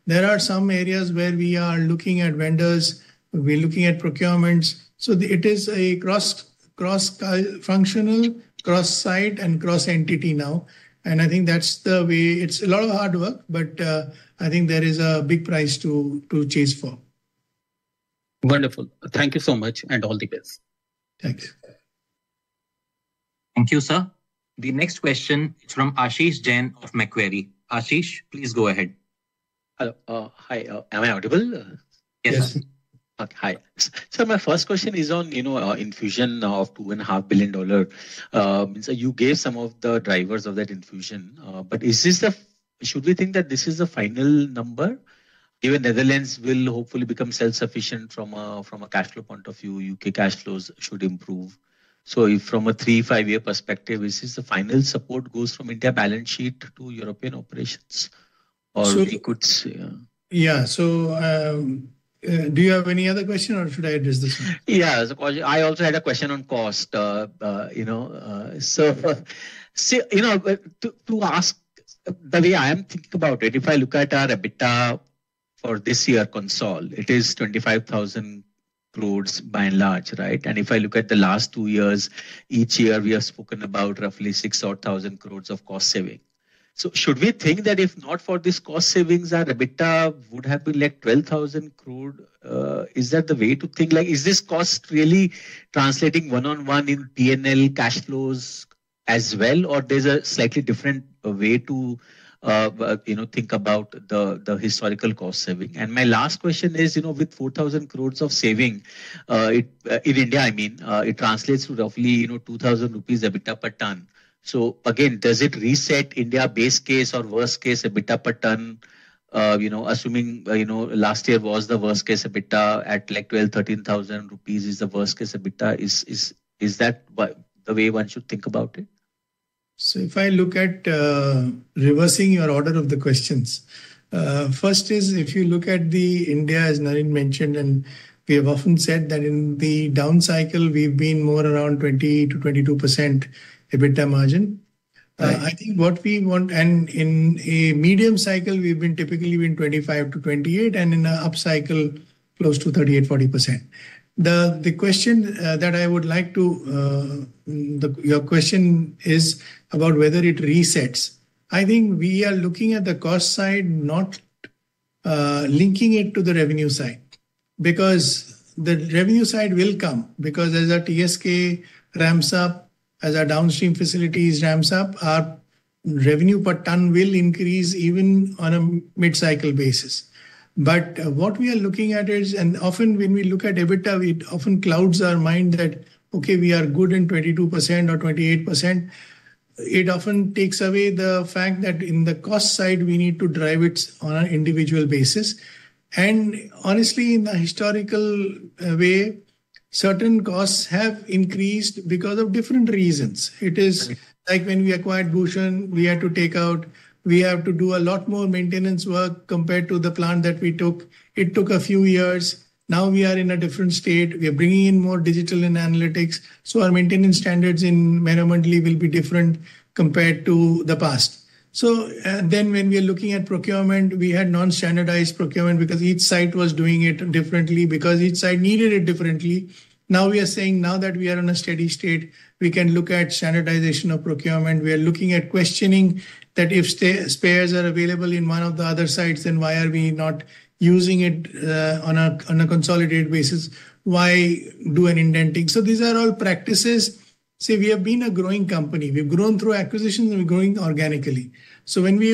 There are some areas where we are looking at vendors. We are looking at procurements. It is a cross-functional, cross-site, and cross-entity now. I think that is the way. It is a lot of hard work, but I think there is a big price to chase for. Wonderful. Thank you so much and all the best. Thank you. Thank you, sir. The next question is from Ashish Jain of Macquarie. Ashish, please go ahead. Hello. Hi. Am I audible? Yes. Okay. Hi. My first question is on infusion of $2.5 billion. You gave some of the drivers of that infusion. Is this the should we think that this is the final number? Even Netherlands will hopefully become self-sufficient from a cash flow point of view. U.K. cash flows should improve. From a three- to five-year perspective, is this the final support that goes from India balance sheet to European operations? Or we could see. Yeah. Do you have any other question, or should I address this one? Yeah. I also had a question on cost. To ask the way I am thinking about it, if I look at our EBITDA for this year console, it is 25,000 crore by and large, right? If I look at the last two years, each year, we have spoken about roughly 6,000 crore of cost saving. Should we think that if not for these cost savings, our EBITDA would have been like 12,000 crore? Is that the way to think? Is this cost really translating one-on-one in P&L cash flows as well, or there's a slightly different way to think about the historical cost saving? My last question is, with 4,000 crore of saving in India, I mean, it translates to roughly 2,000 rupees EBITDA per ton. Again, does it reset India base case or worst case EBITDA per ton? Assuming last year was the worst case EBITDA at like 12,000, 13,000 rupees is the worst case EBITDA, is that the way one should think about it? If I look at reversing your order of the questions, first is if you look at the India, as Nalin mentioned, and we have often said that in the down cycle, we've been more around 20%-22% EBITDA margin. I think what we want, and in a medium cycle, we've typically been 25-28%, and in an up cycle, close to 38%-40%. The question that I would like to your question is about whether it resets. I think we are looking at the cost side, not linking it to the revenue side because the revenue side will come because as our TSK ramps up, as our downstream facilities ramp up, our revenue per ton will increase even on a mid-cycle basis. What we are looking at is, and often when we look at EBITDA, it often clouds our mind that, okay, we are good in 22% or 28%. It often takes away the fact that on the cost side, we need to drive it on an individual basis. Honestly, in the historical way, certain costs have increased because of different reasons. It is like when we acquired Bhushan, we had to take out, we have to do a lot more maintenance work compared to the plant that we took. It took a few years. Now we are in a different state. We are bringing in more digital and analytics. Our maintenance standards in Miramandli will be different compared to the past. When we are looking at procurement, we had non-standardized procurement because each site was doing it differently because each site needed it differently. Now we are saying now that we are in a steady state, we can look at standardization of procurement. We are looking at questioning that if spares are available in one of the other sites, then why are we not using it on a consolidated basis? Why do an indenting? These are all practices. See, we have been a growing company. We've grown through acquisitions, and we're growing organically. When we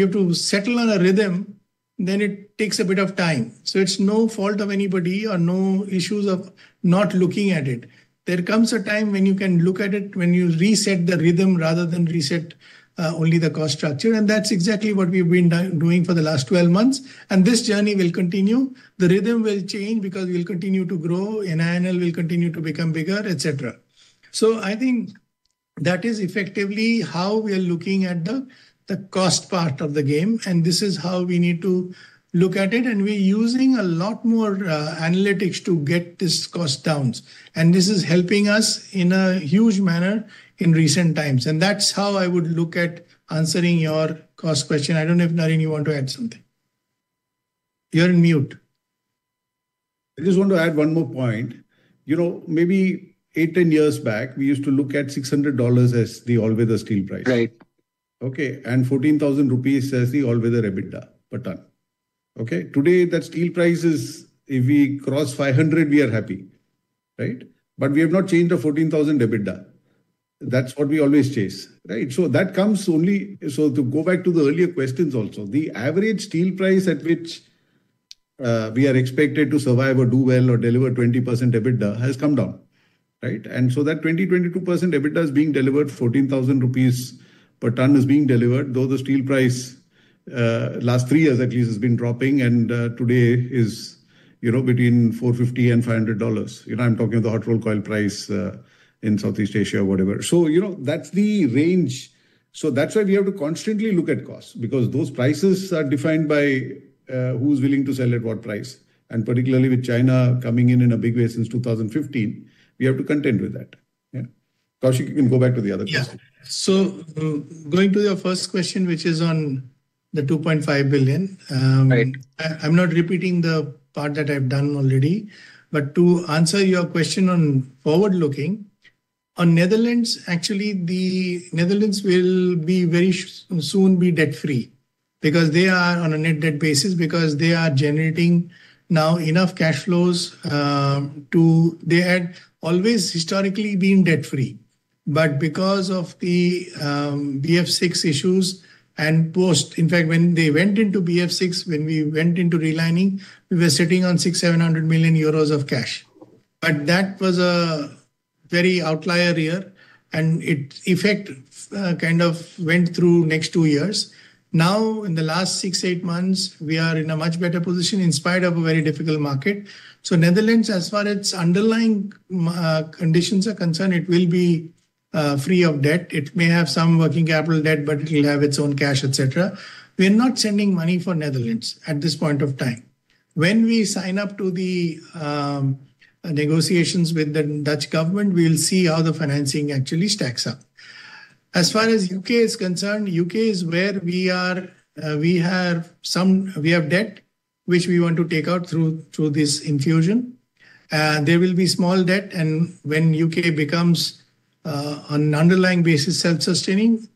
have to settle on a rhythm, then it takes a bit of time. It's no fault of anybody or no issues of not looking at it. There comes a time when you can look at it, when you reset the rhythm rather than reset only the cost structure. That's exactly what we've been doing for the last 12 months. This journey will continue. The rhythm will change because we'll continue to grow. NINL will continue to become bigger, etc. I think that is effectively how we are looking at the cost part of the game. This is how we need to look at it. We're using a lot more analytics to get this cost down. This is helping us in a huge manner in recent times. That is how I would look at answering your cost question. I do not know if Naren, you want to add something. You are on mute. I just want to add one more point. Maybe eight,10 years back, we used to look at $600 as the all-weather steel price. Right. Okay. And 14,000 rupees as the all-weather EBITDA per ton. Okay. Today, that steel price is if we cross 500, we are happy. Right? But we have not changed the 14,000 EBITDA. That is what we always chase. Right? That comes only, so to go back to the earlier questions also. The average steel price at which we are expected to survive or do well or deliver 20% EBITDA has come down. Right? That 20%-22% EBITDA is being delivered, 14,000 rupees per ton is being delivered, though the steel price the last three years at least has been dropping and today is between $450 and $500. I'm talking of the hot rolled coil price in Southeast Asia or whatever. That's the range. That's why we have to constantly look at cost because those prices are defined by who's willing to sell at what price. Particularly with China coming in in a big way since 2015, we have to contend with that. Koushik, you can go back to the other question. Going to your first question, which is on the $2.5 billion. I'm not repeating the part that I've done already. To answer your question on forward-looking, on Netherlands, actually, the Netherlands will be very soon debt-free because they are on a net debt basis because they are generating now enough cash flows to, they had always historically been debt-free. Because of the BF6 issues and post, in fact, when they went into BF6, when we went into relining, we were sitting on 600 million-700 million euros of cash. That was a very outlier year. It kind of went through the next two years. Now, in the last six-eight months, we are in a much better position in spite of a very difficult market. Netherlands, as far as underlying conditions are concerned, it will be free of debt. It may have some working capital debt, but it will have its own cash, etc. We are not sending money for Netherlands at this point of time. When we sign up to the negotiations with the Dutch government, we will see how the financing actually stacks up. As far as the U.K. is concerned, U.K. is where we are, we have some debt, which we want to take out through this infusion. There will be small debt. When U.K. becomes, on an underlying basis, self-sustaining,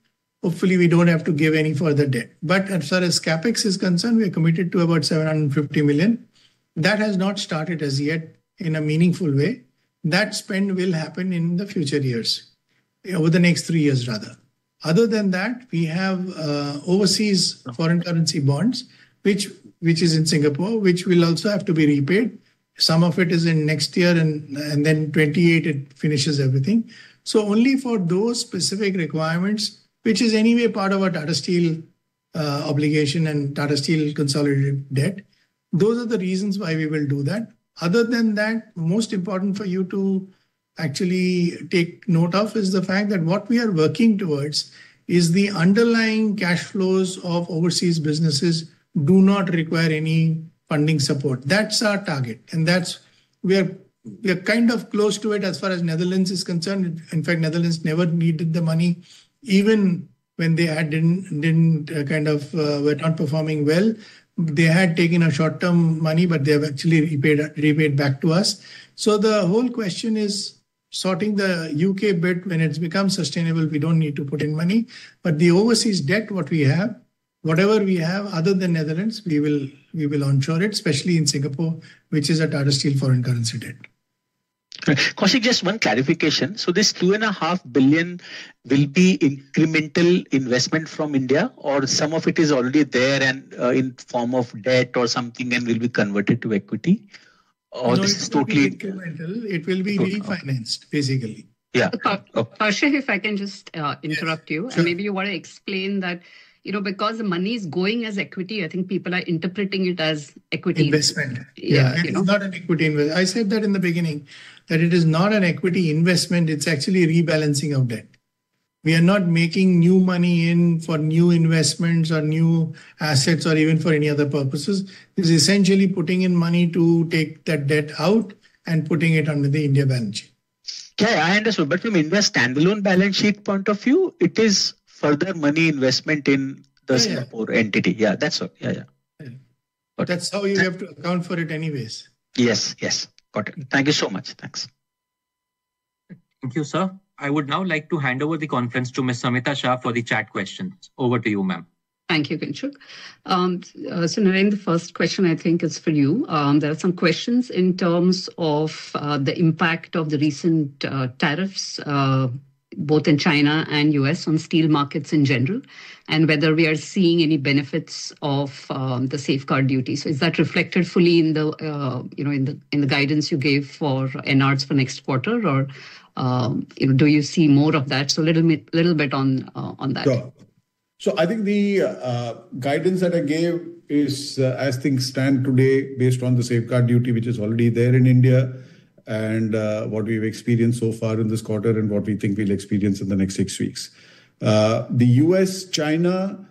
hopefully, we do not have to give any further debt. As far as CapEx is concerned, we are committed to about 750 million. That has not started as yet in a meaningful way. That spend will happen in the future years, over the next three years, rather. Other than that, we have overseas foreign currency bonds, which is in Singapore, which will also have to be repaid. Some of it is in next year. In 2028, it finishes everything. Only for those specific requirements, which is anyway part of our Tata Steel obligation and Tata Steel consolidated debt, those are the reasons why we will do that. Other than that, most important for you to actually take note of is the fact that what we are working towards is the underlying cash flows of overseas businesses do not require any funding support. That is our target. That is we are kind of close to it as far as Netherlands is concerned. In fact, Netherlands never needed the money. Even when they did not kind of were not performing well, they had taken short-term money, but they have actually repaid back to us. The whole question is sorting the U.K. bit when it becomes sustainable, we do not need to put in money. The overseas debt, what we have, whatever we have other than Netherlands, we will ensure it, especially in Singapore, which is a Tata Steel foreign currency debt. Koushik, just one clarification. This $2.5 billion will be incremental investment from India, or some of it is already there and in form of debt or something and will be converted to equity? Or this is totally incremental. It will be refinanced, basically. Yeah. Koushik, if I can just interrupt you, maybe you want to explain that because the money is going as equity, I think people are interpreting it as equity investment. Yeah. It's not an equity investment. I said that in the beginning, that it is not an equity investment. It's actually rebalancing of debt. We are not making new money in for new investments or new assets or even for any other purposes. It's essentially putting in money to take that debt out and putting it under the India balance sheet. Okay. I understood. But from a standalone balance sheet point of view, it is further money investment in the Singapore entity. Yeah. That's all. Yeah. Yeah. That's how you have to account for it anyways. Yes. Yes. Got it. Thank you so much. Thanks. Thank you, sir. I would now like to hand over the conference to Ms. Samita Shah for the chat questions. Over to you, ma'am. Thank you, Kinshuk. Naren, the first question I think is for you. There are some questions in terms of the impact of the recent tariffs, both in China and U.S. on steel markets in general, and whether we are seeing any benefits of the safeguard duty. Is that reflected fully in the guidance you gave for Enards for next quarter, or do you see more of that? A little bit on that. I think the guidance that I gave is, as things stand today, based on the safeguard duty, which is already there in India, and what we've experienced so far in this quarter, and what we think we'll experience in the next six weeks. The U.S.-China,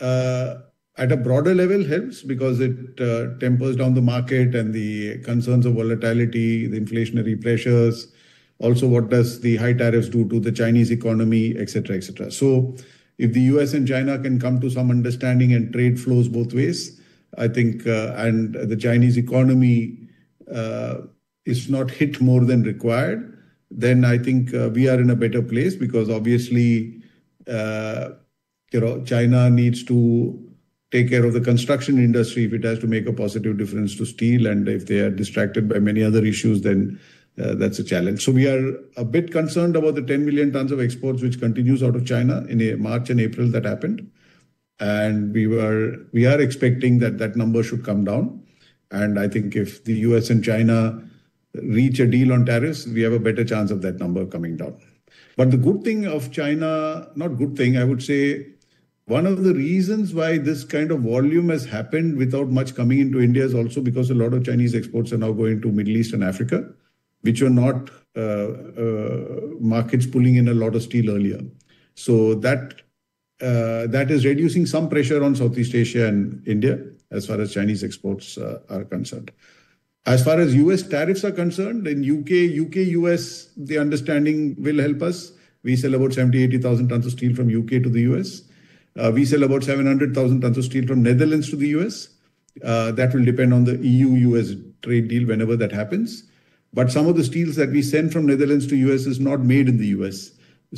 at a broader level, helps because it tempers down the market and the concerns of volatility, the inflationary pressures. Also, what does the high tariffs do to the Chinese economy, etc., etc.? If the U.S. and China can come to some understanding and trade flows both ways, I think, and the Chinese economy is not hit more than required, then I think we are in a better place because obviously, China needs to take care of the construction industry if it has to make a positive difference to steel. If they are distracted by many other issues, then that's a challenge. We are a bit concerned about the 10 million tons of exports, which continues out of China in March and April that happened. We are expecting that that number should come down. I think if the U.S. and China reach a deal on tariffs, we have a better chance of that number coming down. One of the reasons why this kind of volume has happened without much coming into India is also because a lot of Chinese exports are now going to Middle East and Africa, which are not markets pulling in a lot of steel earlier. That is reducing some pressure on Southeast Asia and India as far as Chinese exports are concerned. As far as U.S. tariffs are concerned, in U.K., U.K., U.S., the understanding will help us. We sell about 70,000, 80,000 tons of steel from U.K. to the U.S. We sell about 700,000 tons of steel from Netherlands to the U.S. That will depend on the EU-U.S. trade deal whenever that happens. Some of the steels that we send from Netherlands to U.S. is not made in the U.S.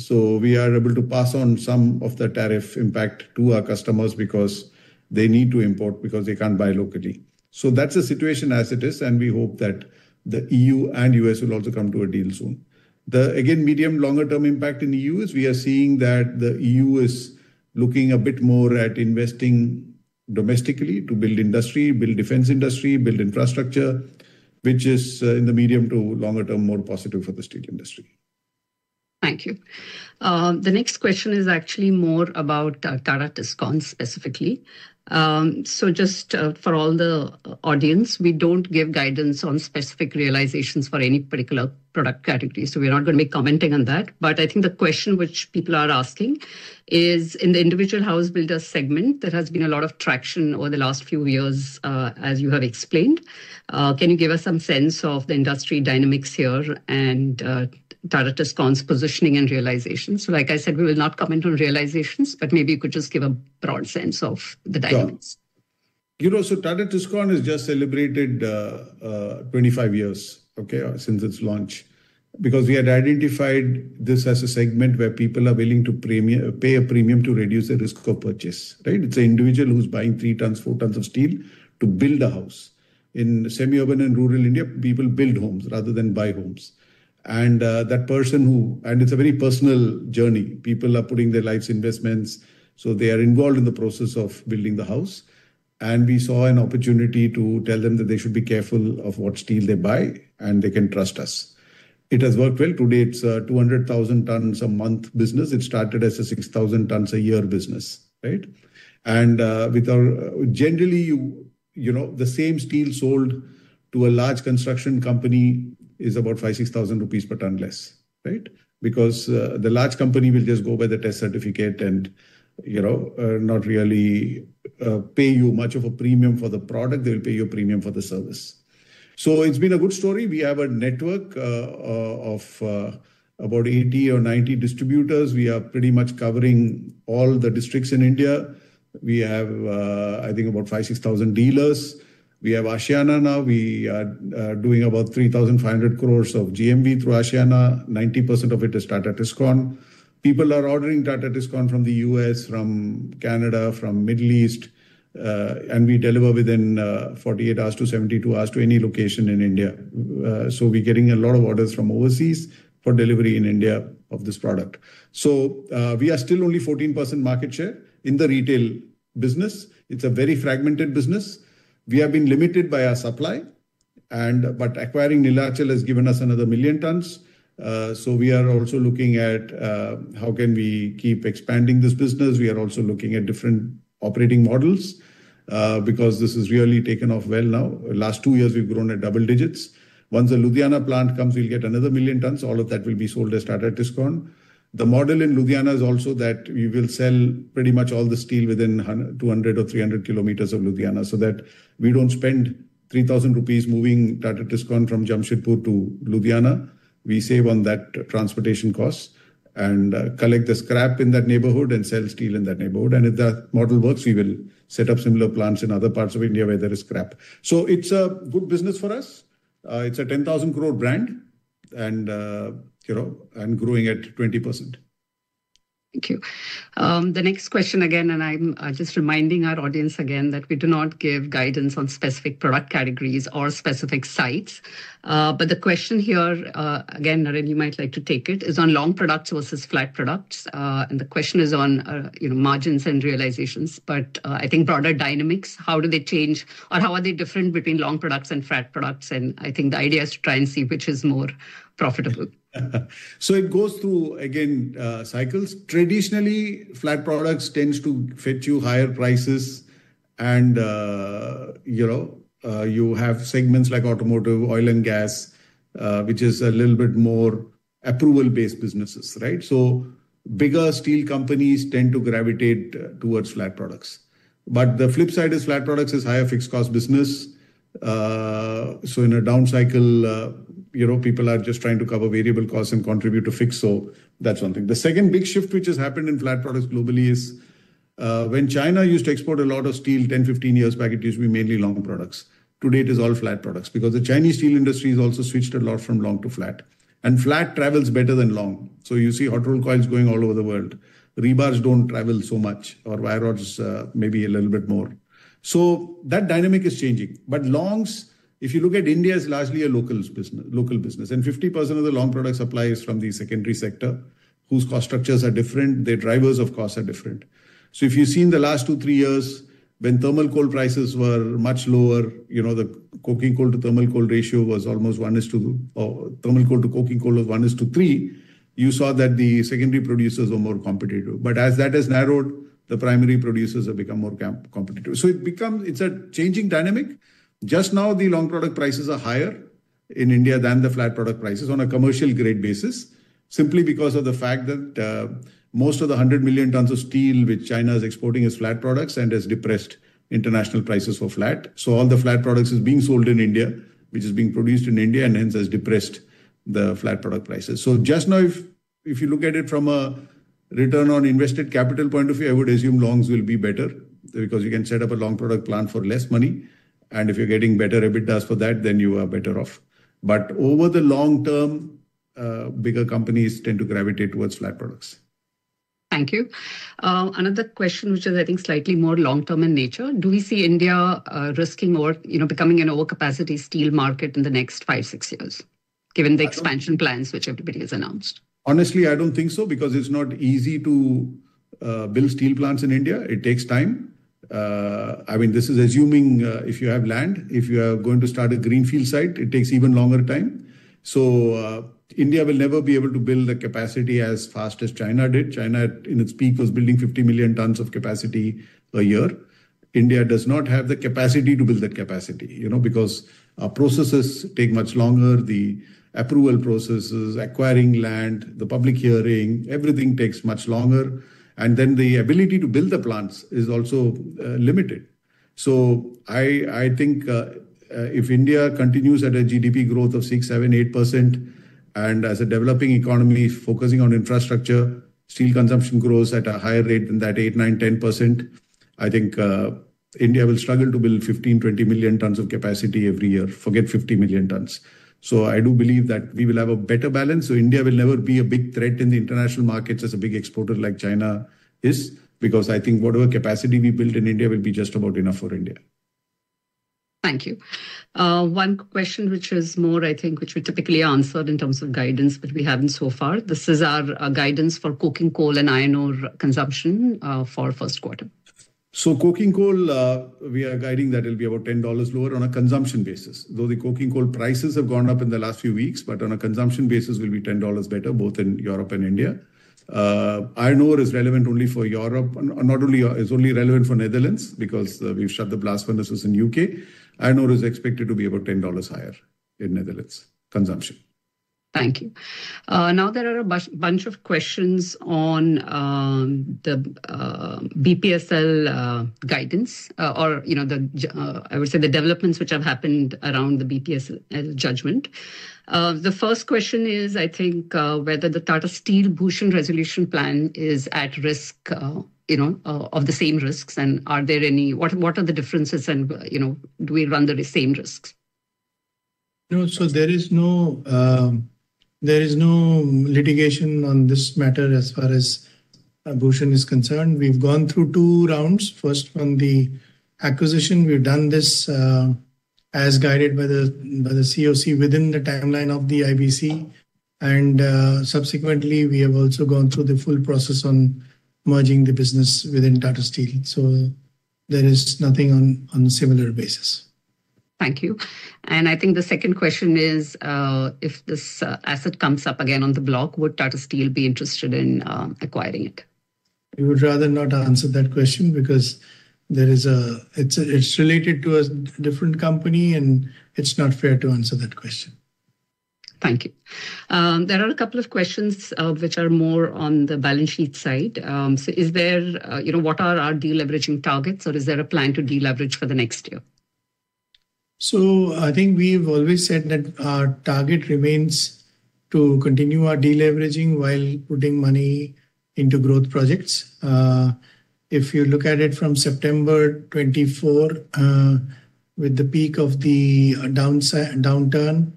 We are able to pass on some of the tariff impact to our customers because they need to import because they can't buy locally. That's the situation as it is. We hope that the EU and U.S. will also come to a deal soon. Again, medium-longer-term impact in the EU is we are seeing that the EU is looking a bit more at investing domestically to build industry, build defense industry, build infrastructure, which is in the medium to longer term, more positive for the steel industry. Thank you. The next question is actually more about Tata Tiscon specifically. Just for all the audience, we don't give guidance on specific realizations for any particular product category. We're not going to be commenting on that. I think the question which people are asking is in the individual house builder segment, there has been a lot of traction over the last few years, as you have explained. Can you give us some sense of the industry dynamics here and Tata Tiscon's positioning and realizations? Like I said, we will not comment on realizations, but maybe you could just give a broad sense of the dynamics. Tata Tiscon has just celebrated 25 years since its launch because we had identified this as a segment where people are willing to pay a premium to reduce the risk of purchase. Right? It is an individual who is buying 3 tons, 4 tons of steel to build a house. In semi-urban and rural India, people build homes rather than buy homes. That person who, and it is a very personal journey. People are putting their lives' investments. They are involved in the process of building the house. We saw an opportunity to tell them that they should be careful of what steel they buy, and they can trust us. It has worked well. Today, it is a 200,000 tons a month business. It started as a 6,000 tons a year business. Right? With our generally, the same steel sold to a large construction company is about 5,000-6,000 rupees per ton less. Right? Because the large company will just go by the test certificate and not really pay you much of a premium for the product. They will pay you a premium for the service. It has been a good story. We have a network of about 80 or 90 distributors. We are pretty much covering all the districts in India. We have, I think, about 5,000, 6,000 dealers. We have Ashana now. We are doing about 3,500 crore of GMV through Ashana. 90% of it is Tata Tiscon. People are ordering Tata Tiscon from the U.S., from Canada, from the Middle East. We deliver within 48 hours-72 hours to any location in India. We are getting a lot of orders from overseas for delivery in India of this product. We are still only at 14% market share in the retail business. It is a very fragmented business. We have been limited by our supply. Acquiring Nilachal has given us another 1 million tons. We are also looking at how we can keep expanding this business. We are also looking at different operating models because this has really taken off well now. In the last two years, we have grown at double digits. Once the Ludhiana plant comes, we will get another 1 million tons. All of that will be sold as Tata Tiscon. The model in Ludhiana is also that we will sell pretty much all the steel within 200 or 300 km of Ludhiana so that we do not spend 3,000 rupees moving Tata Tiscon from Jamshedpur to Ludhiana. We save on that transportation cost and collect the scrap in that neighborhood and sell steel in that neighborhood. If that model works, we will set up similar plants in other parts of India where there is scrap. It is a good business for us. It is a 10,000 crore brand and growing at 20%. Thank you. The next question again, and I am just reminding our audience again that we do not give guidance on specific product categories or specific sites. The question here, again, Naren, you might like to take it, is on long products versus flat products. The question is on margins and realizations. I think broader dynamics, how do they change or how are they different between long products and flat products? I think the idea is to try and see which is more profitable. It goes through, again, cycles. Traditionally, flat products tend to fetch you higher prices. You have segments like automotive, oil, and gas, which is a little bit more approval-based businesses, right? Bigger steel companies tend to gravitate towards flat products. The flip side is flat products is higher fixed cost business. In a down cycle, people are just trying to cover variable costs and contribute to fixed. That is one thing. The second big shift which has happened in flat products globally is when China used to export a lot of steel 10, 15 years back, it used to be mainly long products. Today, it is all flat products because the Chinese steel industry has also switched a lot from long to flat. Flat travels better than long. You see hot rolled coils going all over the world. Rebars do not travel so much, or wire rods maybe a little bit more. That dynamic is changing. Longs, if you look at India, is largely a local business. 50% of the long product supply is from the secondary sector whose cost structures are different. The drivers, of course, are different. If you have seen the last two, three years, when thermal coal prices were much lower, the coking coal to thermal coal ratio was almost one is to three, you saw that the secondary producers were more competitive. As that has narrowed, the primary producers have become more competitive. It is a changing dynamic. Just now, the long product prices are higher in India than the flat product prices on a commercial-grade basis, simply because of the fact that most of the 100 million tons of steel which China is exporting is flat products and has depressed international prices for flat. All the flat products are being sold in India, which is being produced in India, and hence has depressed the flat product prices. Just now, if you look at it from a return on invested capital point of view, I would assume longs will be better because you can set up a long product plant for less money. If you are getting better EBITDAs for that, then you are better off. Over the long term, bigger companies tend to gravitate towards flat products. Thank you. Another question, which is, I think, slightly more long-term in nature. Do we see India risking or becoming an overcapacity steel market in the next five, six years, given the expansion plans which everybody has announced? Honestly, I don't think so because it's not easy to build steel plants in India. It takes time. I mean, this is assuming if you have land, if you are going to start a greenfield site, it takes even longer time. India will never be able to build the capacity as fast as China did. China, in its peak, was building 50 million tons of capacity a year. India does not have the capacity to build that capacity because processes take much longer. The approval processes, acquiring land, the public hearing, everything takes much longer. The ability to build the plants is also limited. I think if India continues at a GDP growth of 6%, 7%, 8%, and as a developing economy focusing on infrastructure, steel consumption grows at a higher rate than that, 8%, 9%, 10%, I think India will struggle to build 15 million, 20 million tons of capacity every year. Forget 50 million tons. I do believe that we will have a better balance. India will never be a big threat in the international markets as a big exporter like China is because I think whatever capacity we build in India will be just about enough for India. Thank you. One question which is more, I think, which we typically answered in terms of guidance, but we haven't so far. This is our guidance for coking coal and iron ore consumption for first quarter. Coking coal, we are guiding that it'll be about $10 lower on a consumption basis. Though the coking coal prices have gone up in the last few weeks, but on a consumption basis, it will be $10 better, both in Europe and India. Iron ore is relevant only for Europe, not only is only relevant for Netherlands because we've shut the blast furnaces in the U.K. Iron ore is expected to be about $10 higher in Netherlands consumption. Thank you. Now, there are a bunch of questions on the BPSL guidance or, I would say, the developments which have happened around the BPSL judgment. The first question is, I think, whether the Tata Steel Bhushan Resolution Plan is at risk of the same risks and are there any, what are the differences and do we run the same risks? No. There is no litigation on this matter as far as Bhushan is concerned. We've gone through two rounds. First, on the acquisition, we've done this as guided by the COC within the timeline of the IBC. Subsequently, we have also gone through the full process on merging the business within Tata Steel. There is nothing on a similar basis. Thank you. I think the second question is, if this asset comes up again on the block, would Tata Steel be interested in acquiring it? I would rather not answer that question because it's related to a different company and it's not fair to answer that question. Thank you. There are a couple of questions which are more on the balance sheet side. Is there, what are our deleveraging targets or is there a plan to deleverage for the next year? I think we've always said that our target remains to continue our deleveraging while putting money into growth projects. If you look at it from September 2024, with the peak of the downturn,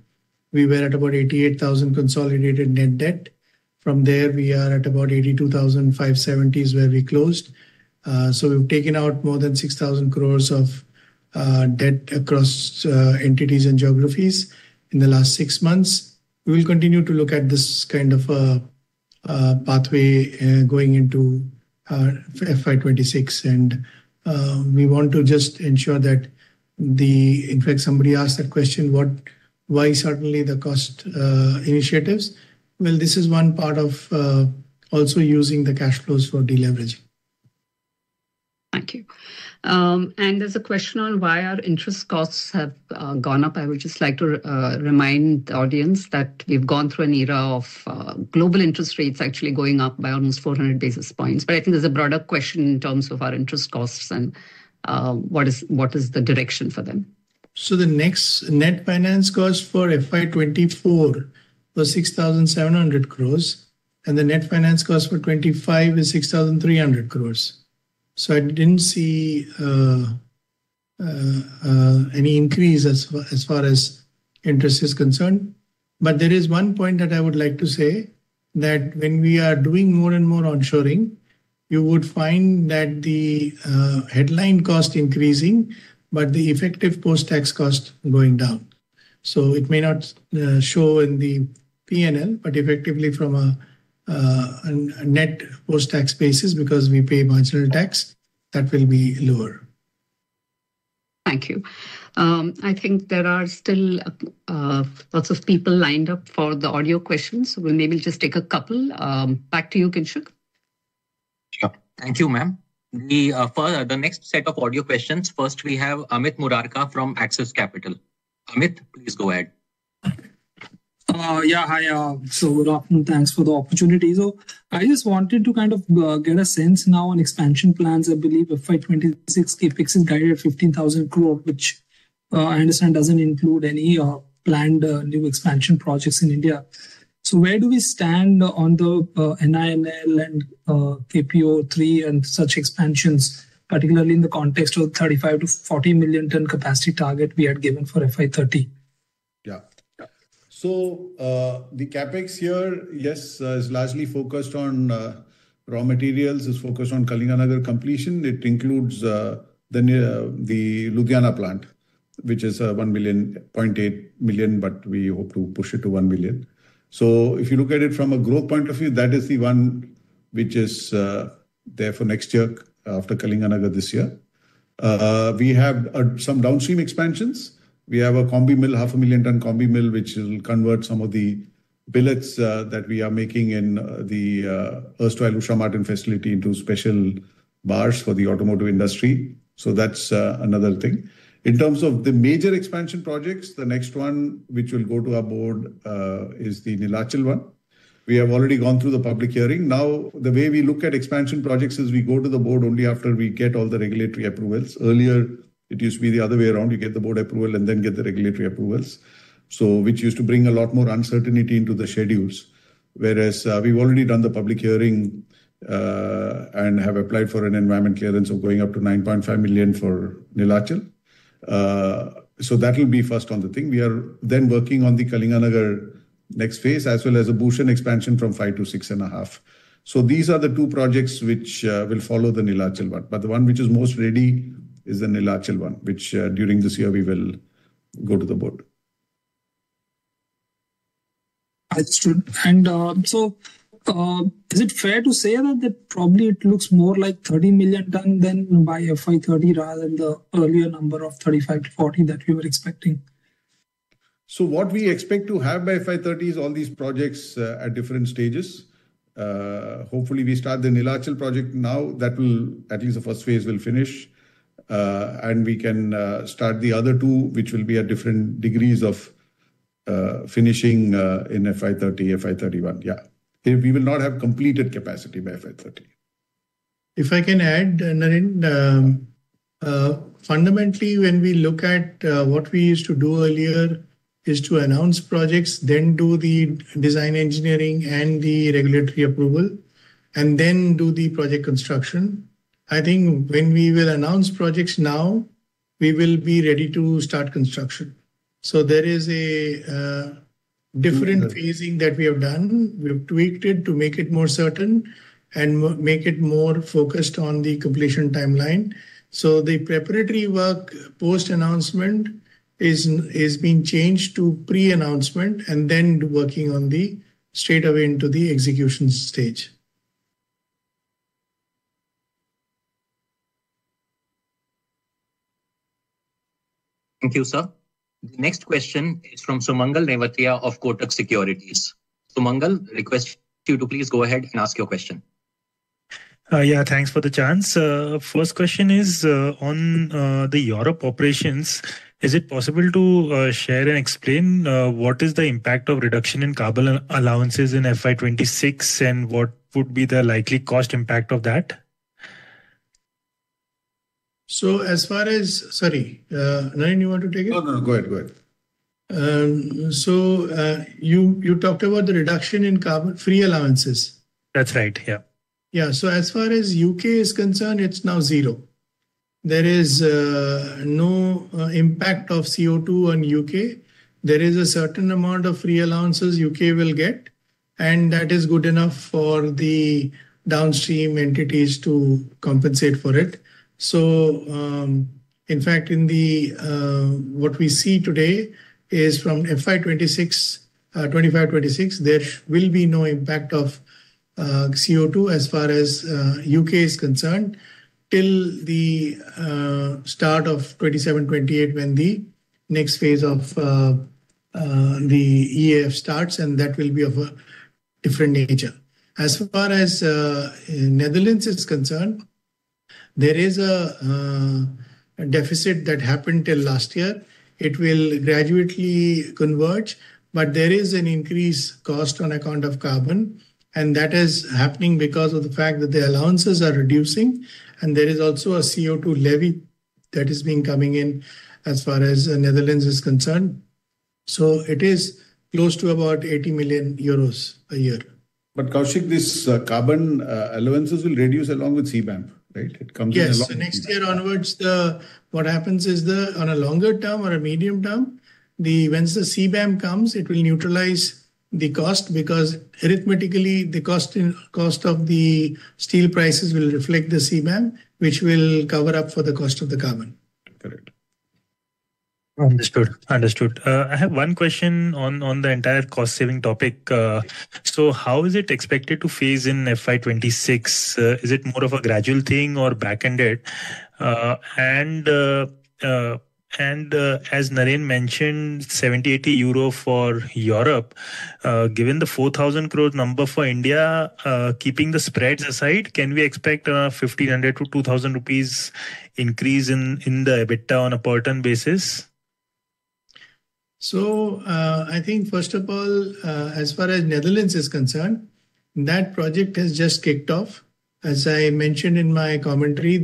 we were at about 88,000 crore consolidated net debt. From there, we are at about 82,570 crore is where we closed. We've taken out more than 6,000 crore of debt across entities and geographies in the last six months. We will continue to look at this kind of pathway going into FY2026. We want to just ensure that the, in fact, somebody asked that question, why suddenly the cost initiatives? This is one part of also using the cash flows for deleveraging. Thank you. There's a question on why our interest costs have gone up. I would just like to remind the audience that we've gone through an era of global interest rates actually going up by almost 400 basis points. I think there's a broader question in terms of our interest costs and what is the direction for them. The next net finance cost for FY2024 was 6,700 crore, and the net finance cost for 2025 is 6,300 crore. I didn't see any increase as far as interest is concerned. There is one point that I would like to say that when we are doing more and more onshoring, you would find that the headline cost increasing, but the effective post-tax cost going down. It may not show in the P&L, but effectively from a net post-tax basis because we pay marginal tax, that will be lower. Thank you. I think there are still lots of people lined up for the audio questions. So we maybe just take a couple. Back to you, Kinshuk. Sure. Thank you, ma'am. The next set of audio questions, first we have Amit Murarka from Axis Capital. Amit, please go ahead. Yeah, hi. So good afternoon. Thanks for the opportunity. So I just wanted to kind of get a sense now on expansion plans. I believe FY2026 CapEx is guided at 15,000 crore, which I understand does not include any planned new expansion projects in India. So where do we stand on the NINL and KPO3 and such expansions, particularly in the context of the 35 million-40 million ton capacity target we had given for FY2030? Yeah. So the CapEx here, yes, is largely focused on raw materials, is focused on Kalinganagar completion. It includes the Ludhiana plant, which is 1.8 million, but we hope to push it to 1 million. If you look at it from a growth point of view, that is the one which is there for next year after Kalinganagar this year. We have some downstream expansions. We have a combi mill, 500,000 ton combi mill, which will convert some of the billets that we are making in the Earth Oil Usha Martin facility into special bars for the automotive industry. That is another thing. In terms of the major expansion projects, the next one which will go to our board is the Nilachal one. We have already gone through the public hearing. Now, the way we look at expansion projects is we go to the board only after we get all the regulatory approvals. Earlier, it used to be the other way around. You get the board approval and then get the regulatory approvals, which used to bring a lot more uncertainty into the schedules. Whereas we've already done the public hearing and have applied for an environment clearance of going up to 9.5 million for Nilachal. That will be first on the thing. We are then working on the Kalinganagar next phase as well as a Bhushan expansion from five to 6.5. These are the two projects which will follow the Nilachal one. The one which is most ready is the Nilachal one, which during this year we will go to the board. Understood. Is it fair to say that probably it looks more like 30 million ton than by FY2030 rather than the earlier number of 35-40 that we were expecting? What we expect to have by FY2030 is all these projects at different stages. Hopefully, we start the Nilachal project now. That will, at least the first phase, finish. We can start the other two, which will be at different degrees of finishing in FY2030, FY2031. Yeah. We will not have completed capacity by FY2030. If I can add, Naren, fundamentally, when we look at what we used to do earlier is to announce projects, then do the design engineering and the regulatory approval, and then do the project construction. I think when we will announce projects now, we will be ready to start construction. There is a different phasing that we have done. We have tweaked it to make it more certain and make it more focused on the completion timeline. The preparatory work post-announcement is being changed to pre-announcement and then working straight away into the execution stage. Thank you, sir. The next question is from Sumangal Nevatia of Kotak Securities. Sumangal, request you to please go ahead and ask your question. Yeah, thanks for the chance. First question is on the Europe operations. Is it possible to share and explain what is the impact of reduction in carbon allowances in FY 2026 and what would be the likely cost impact of that? As far as, sorry, Naren, you want to take it? No, no, go ahead, go ahead. You talked about the reduction in carbon free allowances. That's right, yeah. As far as U.K. is concerned, it's now zero. There is no impact of CO2 on U.K. There is a certain amount of free allowances the U.K. will get, and that is good enough for the downstream entities to compensate for it. In fact, what we see today is from FY2026, 2025-2026, there will be no impact of CO2 as far as the U.K. is concerned till the start of 2027-2028 when the next phase of the EAF starts, and that will be of a different nature. As far as the Netherlands is concerned, there is a deficit that happened till last year. It will gradually converge, but there is an increased cost on account of carbon. That is happening because of the fact that the allowances are reducing, and there is also a CO2 levy that is coming in as far as the Netherlands is concerned. It is close to about 80 million euros a year. Koushik, this carbon allowances will reduce along with CBAM, right? It comes in along. Yes, next year onwards, what happens is that on a longer term or a medium term, once the CBAM comes, it will neutralize the cost because arithmetically, the cost of the steel prices will reflect the CBAM, which will cover up for the cost of the carbon. Correct. Understood. Understood. I have one question on the entire cost-saving topic. How is it expected to phase in FY2026? Is it more of a gradual thing or back-ended? As Naren mentioned, 70-80 euro for Europe, given the 4,000 crore number for India, keeping the spreads aside, can we expect a 1,500-2,000 rupees increase in the EBITDA on a per ton basis? I think, first of all, as far as Netherlands is concerned, that project has just kicked off. As I mentioned in my commentary,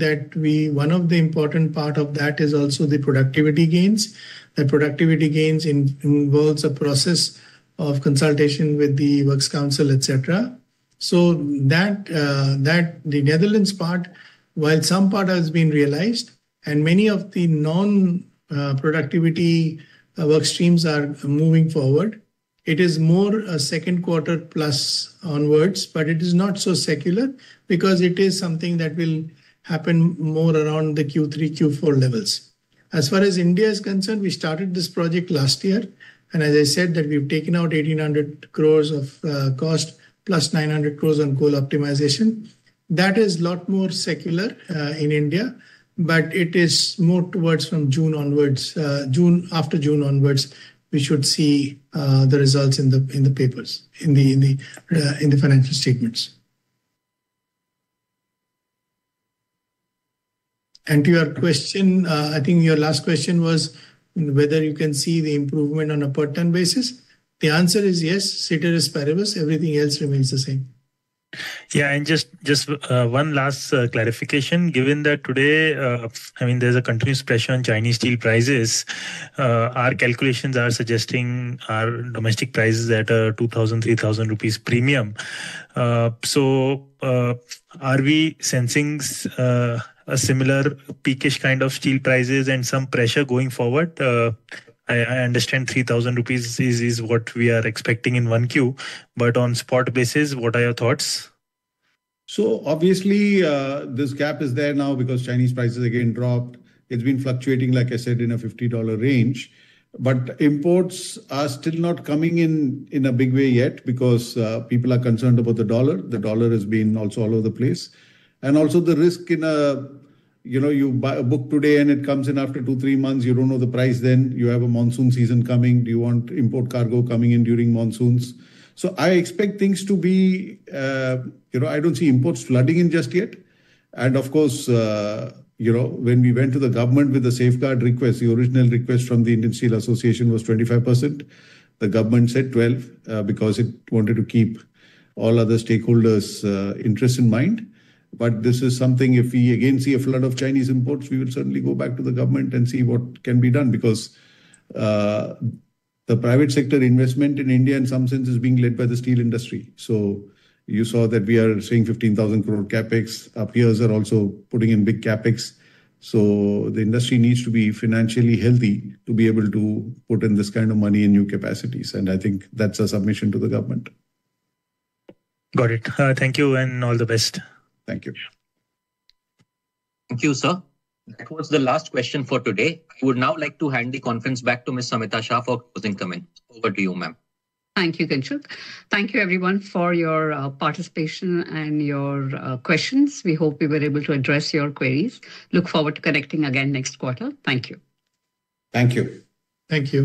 one of the important parts of that is also the productivity gains. The productivity gains involve a process of consultation with the works council, etc. The Netherlands part, while some part has been realized and many of the non-productivity work streams are moving forward, is more a second quarter plus onwards, but it is not so secular because it is something that will happen more around the Q3, Q4 levels. As far as India is concerned, we started this project last year. As I said, we have taken out 1,800 crore of cost plus 900 crore on coal optimization. That is a lot more secular in India, but it is more towards from June onwards. After June onwards, we should see the results in the papers, in the financial statements. To your question, I think your last question was whether you can see the improvement on a per ton basis. The answer is yes, CITR is perilous. Everything else remains the same. Yeah, just one last clarification. Given that today, I mean, there's a continuous pressure on Chinese steel prices, our calculations are suggesting our domestic prices at a 2,000-3,000 rupees premium. Are we sensing a similar peakish kind of steel prices and some pressure going forward? I understand 3,000 rupees is what we are expecting in one queue, but on spot basis, what are your thoughts? Obviously, this gap is there now because Chinese prices again dropped. It's been fluctuating, like I said, in a $50 range. Imports are still not coming in a big way yet because people are concerned about the dollar. The dollar has been also all over the place. Also, the risk in a, you know, you buy a book today and it comes in after two, three months, you do not know the price then. You have a monsoon season coming. Do you want import cargo coming in during monsoons? I expect things to be, you know, I do not see imports flooding in just yet. Of course, when we went to the government with the safeguard request, the original request from the Indian Steel Association was 25%. The government said 12% because it wanted to keep all other stakeholders' interest in mind. This is something, if we again see a flood of Chinese imports, we will certainly go back to the government and see what can be done because the private sector investment in India in some sense is being led by the steel industry. You saw that we are seeing 15,000 crore CapEx. Our peers are also putting in big CapEx. The industry needs to be financially healthy to be able to put in this kind of money in new capacities. I think that is a submission to the government. Got it. Thank you and all the best. Thank you. Thank you, sir. That was the last question for today. I would now like to hand the conference back to Ms. Samita Shah for closing comment. Over to you, ma'am. Thank you, Kinshuk. Thank you, everyone, for your participation and your questions. We hope we were able to address your queries. Look forward to connecting again next quarter. Thank you. Thank you. Thank you.